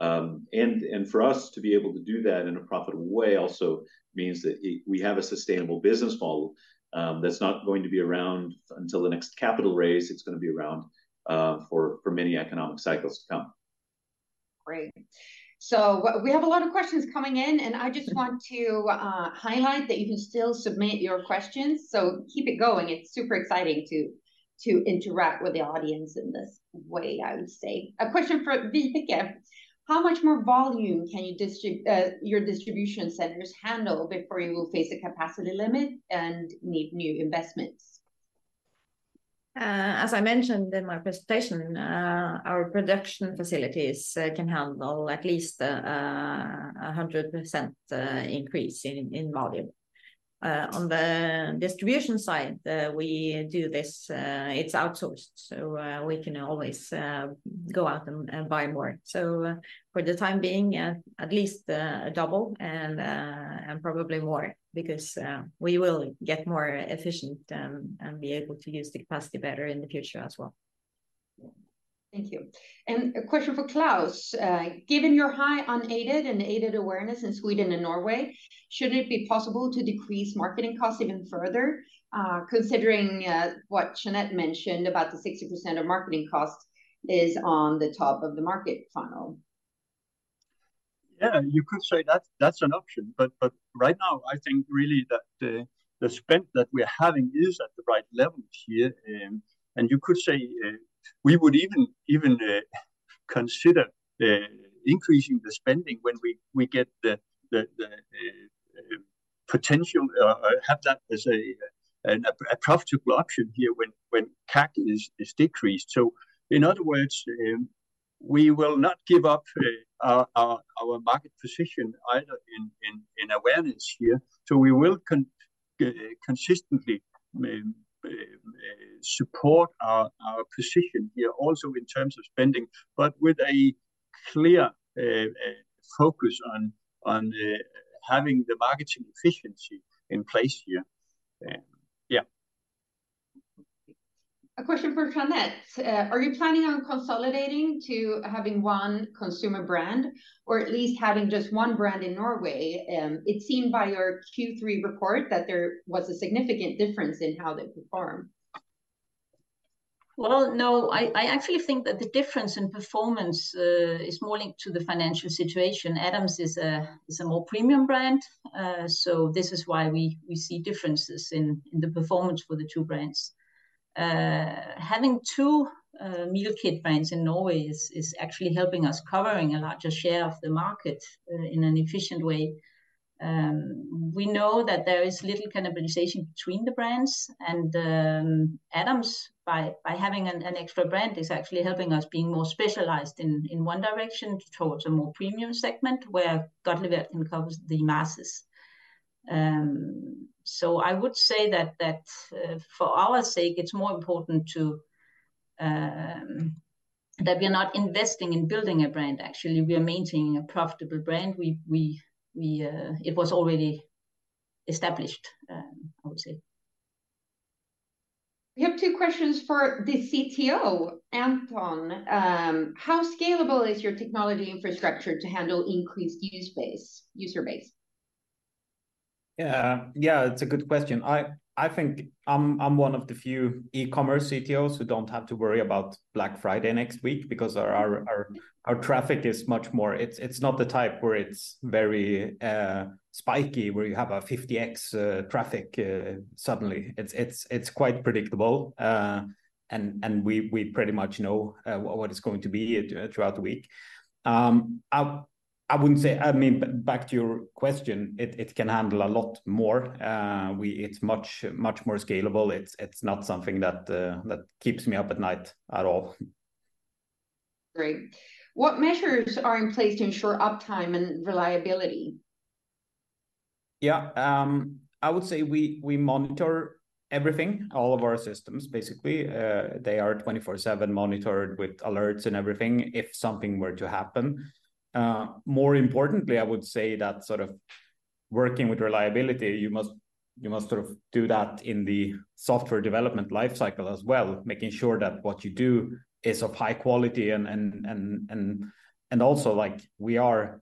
And for us to be able to do that in a profitable way also means that we have a sustainable business model that's not going to be around until the next capital raise. It's gonna be around for many economic cycles to come. Great. So we have a lot of questions coming in, and I just want to highlight that you can still submit your questions, so keep it going. It's super exciting to interact with the audience in this way, I would say. A question for Vibeke: How much more volume can your distribution centers handle before you will face a capacity limit and need new investments? As I mentioned in my presentation, our production facilities can handle at least 100% increase in volume. On the distribution side, we do this, it's outsourced, so we can always go out and buy more. So, for the time being, at least double and probably more because we will get more efficient and be able to use the capacity better in the future as well. Thank you. A question for Claes. Given your high unaided and aided awareness in Sweden and Norway, should it be possible to decrease marketing costs even further? Considering what Jeanette mentioned about the 60% of marketing costs is on the top of the market funnel. Yeah, you could say that's an option, but right now, I think really that the spend that we are having is at the right levels here. And you could say we would even consider increasing the spending when we get the potential have that as a profitable option here when CAC is decreased. So in other words, we will not give up our market position either in awareness here. So we will consistently support our position here, also in terms of spending, but with a clear focus on having the marketing efficiency in place here. Yeah. A question for Jeanette. Are you planning on consolidating to having one consumer brand, or at least having just one brand in Norway? It seemed by your Q3 report that there was a significant difference in how they perform. Well, no, I actually think that the difference in performance is more linked to the financial situation. Adams is a more premium brand, so this is why we see differences in the performance for the two brands. Having two meal kit brands in Norway is actually helping us covering a larger share of the market in an efficient way. We know that there is little cannibalization between the brands, and Adams, by having an extra brand, is actually helping us being more specialized in one direction towards a more premium segment where Godtlevert covers the masses. So I would say that for our sake, it's more important that we are not investing in building a brand, actually, we are maintaining a profitable brand. It was already established, I would say. We have two questions for the CTO. Anton, how scalable is your technology infrastructure to handle increased user base? Yeah, it's a good question. I think I'm one of the few e-commerce CTOs who don't have to worry about Black Friday next week because our traffic is much more... It's not the type where it's very spiky, where you have a 50x traffic suddenly. It's quite predictable. And we pretty much know what it's going to be throughout the week. I wouldn't say, I mean, back to your question, it can handle a lot more. It's much, much more scalable. It's not something that keeps me up at night at all. Great. What measures are in place to ensure uptime and reliability? Yeah, I would say we monitor everything, all of our systems. Basically, they are 24/7 monitored with alerts and everything, if something were to happen. More importantly, I would say that sort of working with reliability, you must sort of do that in the software development life cycle as well, making sure that what you do is of high quality and also, like, we are,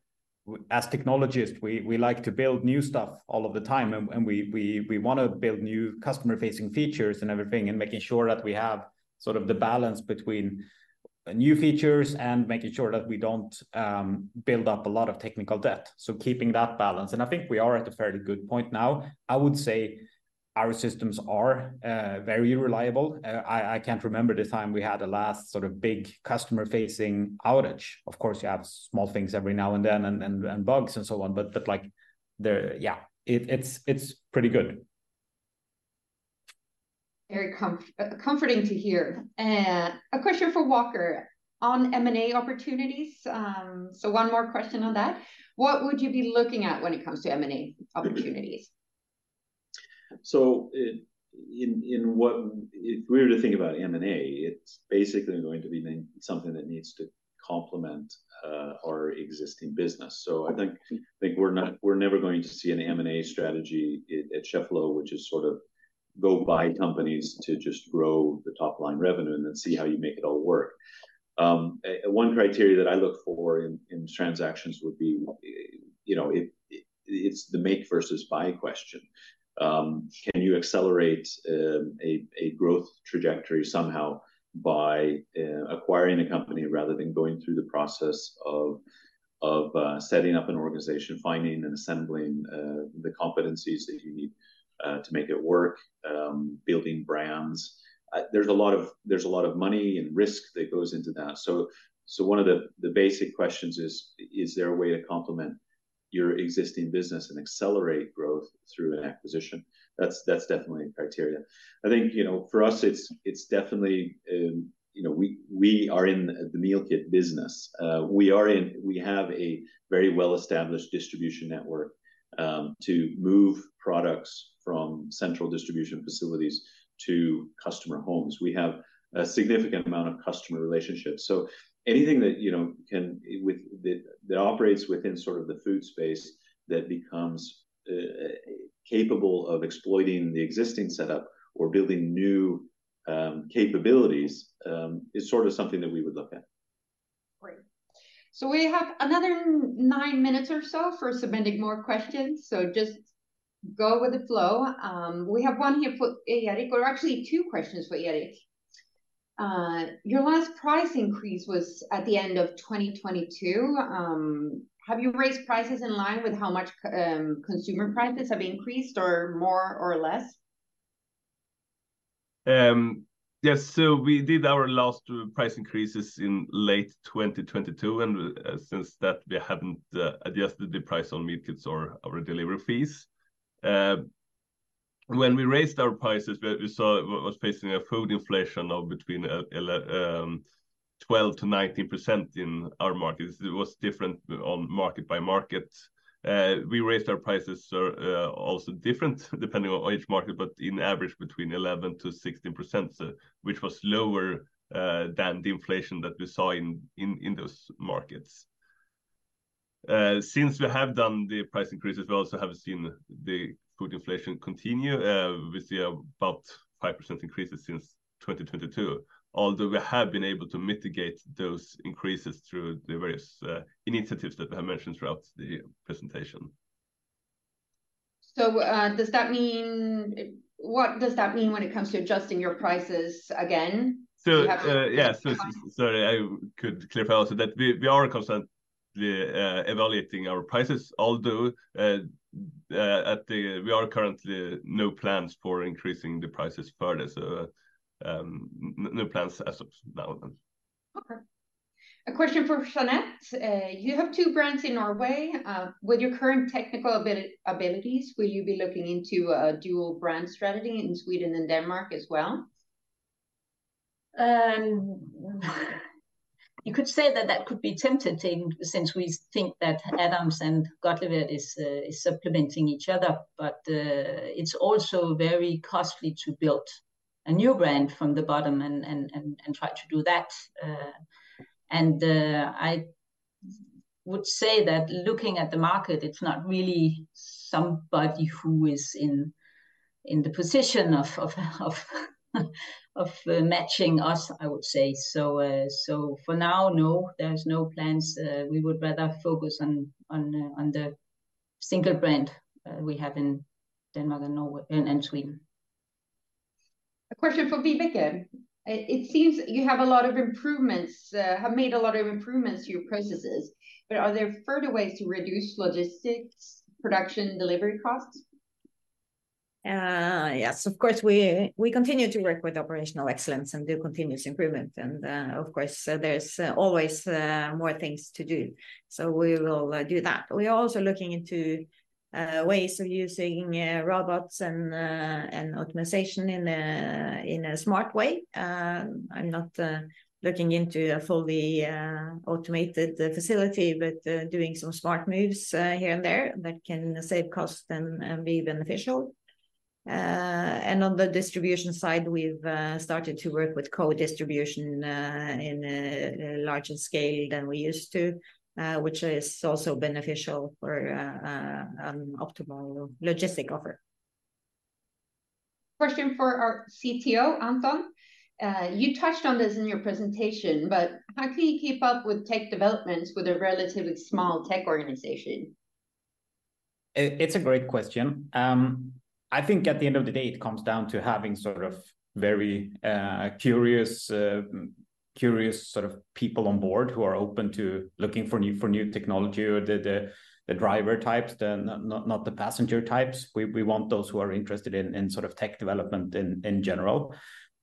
as technologists, we like to build new stuff all of the time, and we wanna build new customer-facing features and everything, and making sure that we have sort of the balance between new features and making sure that we don't build up a lot of technical debt. So keeping that balance, and I think we are at a fairly good point now. I would say our systems are very reliable. I can't remember the time we had a last sort of big customer-facing outage. Of course, you have small things every now and then, and bugs and so on, but like the... Yeah, it's pretty good. Very comforting to hear. A question for Walker on M&A opportunities. So one more question on that. What would you be looking at when it comes to M&A opportunities? So, if we were to think about M&A, it's basically going to be something that needs to complement our existing business. So I think we're never going to see an M&A strategy at Cheffelo, which is sort of- ...go buy companies to just grow the top line revenue and then see how you make it all work. One criteria that I look for in transactions would be, you know, it's the make versus buy question. Can you accelerate a growth trajectory somehow by acquiring a company rather than going through the process of setting up an organization, finding and assembling the competencies that you need to make it work, building brands? There's a lot of money and risk that goes into that. So one of the basic questions is: is there a way to complement your existing business and accelerate growth through an acquisition? That's definitely a criteria. I think, you know, for us, it's definitely... You know, we are in the meal kit business. We have a very well-established distribution network to move products from central distribution facilities to customer homes. We have a significant amount of customer relationships. So anything that, you know, can, with, that operates within sort of the food space, that becomes capable of exploiting the existing setup or building new capabilities, is sort of something that we would look at. Great. So we have another nine minutes or so for submitting more questions, so just go with the flow. We have one here for Erik, or actually two questions for Erik. "Your last price increase was at the end of 2022. Have you raised prices in line with how much consumer prices have increased, or more or less? Yes. So we did our last price increases in late 2022, and since that, we hadn't adjusted the price on meal kits or our delivery fees. When we raised our prices, we saw was facing a food inflation of between 12%-19% in our markets. It was different market by market. We raised our prices also different depending on each market, but on average between 11%-16%, which was lower than the inflation that we saw in those markets. Since we have done the price increases, we also have seen the food inflation continue. We see about 5% increases since 2022, although we have been able to mitigate those increases through the various initiatives that I have mentioned throughout the presentation. So, what does that mean when it comes to adjusting your prices again? So, yeah- Um-... so, sorry, I could clarify also that we are constantly evaluating our prices, although we are currently no plans for increasing the prices further, so no plans as of now. Okay. A question for Jeanette. "You have two brands in Norway. With your current technical abilities, will you be looking into a dual brand strategy in Sweden and Denmark as well? You could say that that could be tempting, since we think that Adams and Godtlevert is supplementing each other, but it's also very costly to build a new brand from the bottom and try to do that. And I would say that looking at the market, it's not really somebody who is in the position of matching us, I would say. So for now, no, there's no plans. We would rather focus on the single brand we have in Denmark and Norway and Sweden. A question for Vibeke. "It seems you have made a lot of improvements to your processes, but are there further ways to reduce logistics, production, and delivery costs? Yes, of course, we continue to work with operational excellence and do continuous improvement, and of course, there's always more things to do, so we will do that. We are also looking into ways of using robots and optimization in a smart way. I'm not looking into a fully automated facility, but doing some smart moves here and there that can save cost and be beneficial. And on the distribution side, we've started to work with co-distribution in a larger scale than we used to, which is also beneficial for optimal logistic offer. Question for our CTO, Anton. You touched on this in your presentation, but how can you keep up with tech developments with a relatively small tech organization? It's a great question. I think at the end of the day, it comes down to having sort of very curious sort of people on board who are open to looking for new technology, or the driver types, than not the passenger types. We want those who are interested in sort of tech development in general.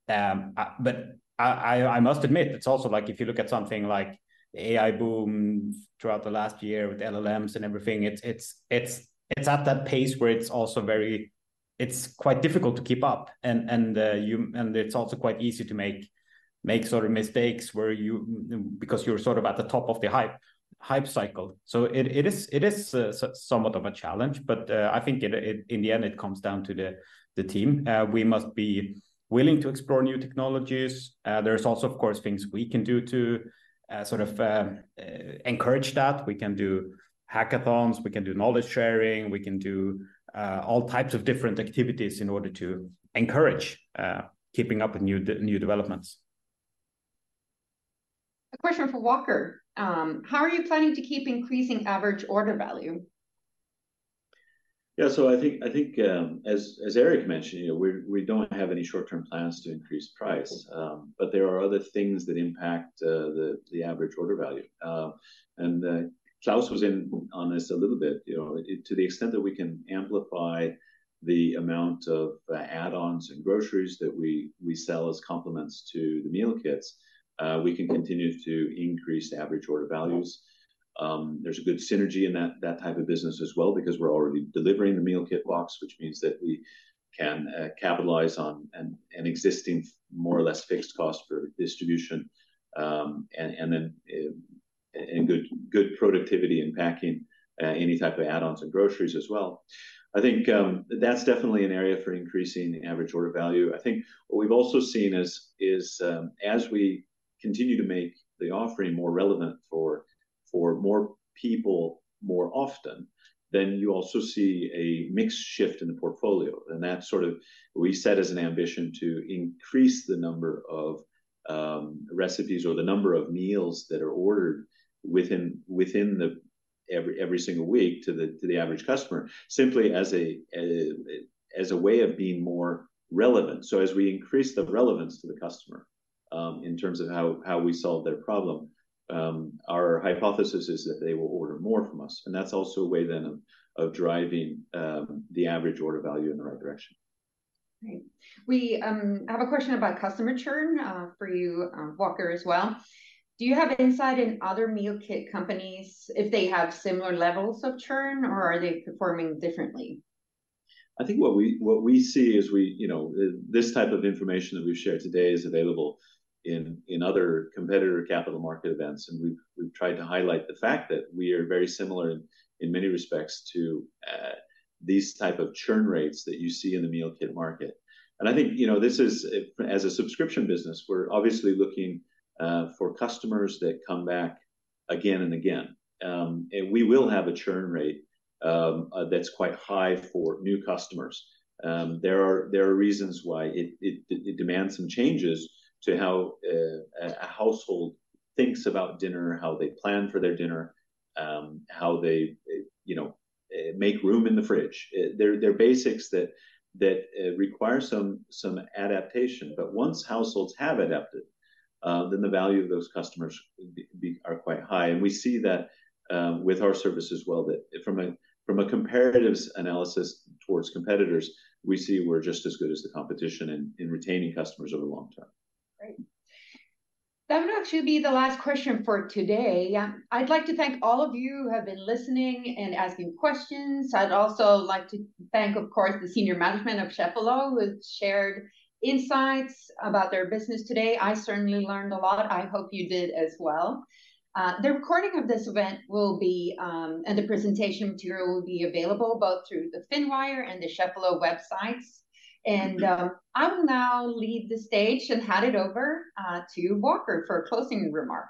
But I must admit, it's also like if you look at something like the AI boom throughout the last year with LLMs and everything, it's at that pace where it's also very... it's quite difficult to keep up, and it's also quite easy to make sort of mistakes where you, because you're sort of at the top of the hype cycle. So it is somewhat of a challenge, but I think in the end, it comes down to the team. We must be willing to explore new technologies. There's also, of course, things we can do to sort of encourage that. We can do hackathons, we can do knowledge sharing, we can do all types of different activities in order to encourage keeping up with new developments. A question for Walker. How are you planning to keep increasing average order value? Yeah, so I think as Erik mentioned, you know, we don't have any short-term plans to increase price. But there are other things that impact the average order value. And Klaus was in on this a little bit. You know, to the extent that we can amplify the amount of the add-ons and groceries that we sell as complements to the meal kits, we can continue to increase the average order values. There's a good synergy in that type of business as well, because we're already delivering the meal kit box, which means that we can capitalize on an existing more or less fixed cost for distribution. And then good productivity in packing any type of add-ons and groceries as well. I think, that's definitely an area for increasing the average order value. I think what we've also seen, as we continue to make the offering more relevant for more people more often, then you also see a mixed shift in the portfolio. And that's sort of we set as an ambition to increase the number of recipes or the number of meals that are ordered within every single week to the average customer, simply as a way of being more relevant. So as we increase the relevance to the customer, in terms of how we solve their problem, our hypothesis is that they will order more from us, and that's also a way then of driving the average order value in the right direction. Great. We have a question about customer churn for you, Walker as well. Do you have insight in other meal kit companies if they have similar levels of churn, or are they performing differently? I think what we see is. You know, this type of information that we've shared today is available in other competitor capital market events, and we've tried to highlight the fact that we are very similar in many respects to these type of churn rates that you see in the meal kit market. And I think, you know, this is, as a subscription business, we're obviously looking for customers that come back again and again. And we will have a churn rate that's quite high for new customers. There are reasons why. It demands some changes to how a household thinks about dinner, how they plan for their dinner, how they, you know, make room in the fridge. There are basics that require some adaptation. But once households have adapted, then the value of those customers are quite high. And we see that with our service as well, that from a comparative analysis towards competitors, we see we're just as good as the competition in retaining customers over the long term. Great. That will actually be the last question for today. I'd like to thank all of you who have been listening and asking questions. I'd also like to thank, of course, the senior management of Cheffelo, who shared insights about their business today. I certainly learned a lot. I hope you did as well. The recording of this event will be, and the presentation material will be available both through the Finwire and the Cheffelo websites. I will now leave the stage and hand it over to Walker for a closing remark.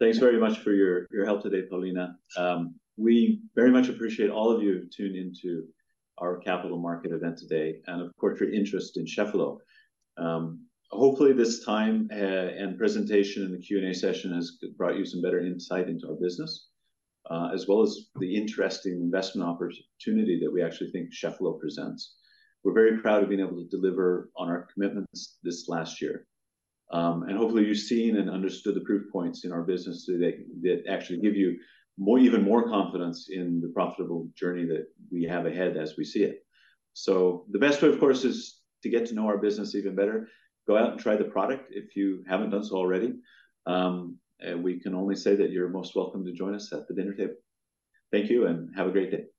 Thanks very much for your help today, Paulina. We very much appreciate all of you who tuned into our capital market event today, and of course, your interest in Cheffelo. Hopefully, this time and presentation and the Q&A session has brought you some better insight into our business, as well as the interesting investment opportunity that we actually think Cheffelo presents. We're very proud of being able to deliver on our commitments this last year. Hopefully, you've seen and understood the proof points in our business today that actually give you more, even more confidence in the profitable journey that we have ahead as we see it. So the best way, of course, is to get to know our business even better. Go out and try the product if you haven't done so already. We can only say that you're most welcome to join us at the dinner table. Thank you, and have a great day.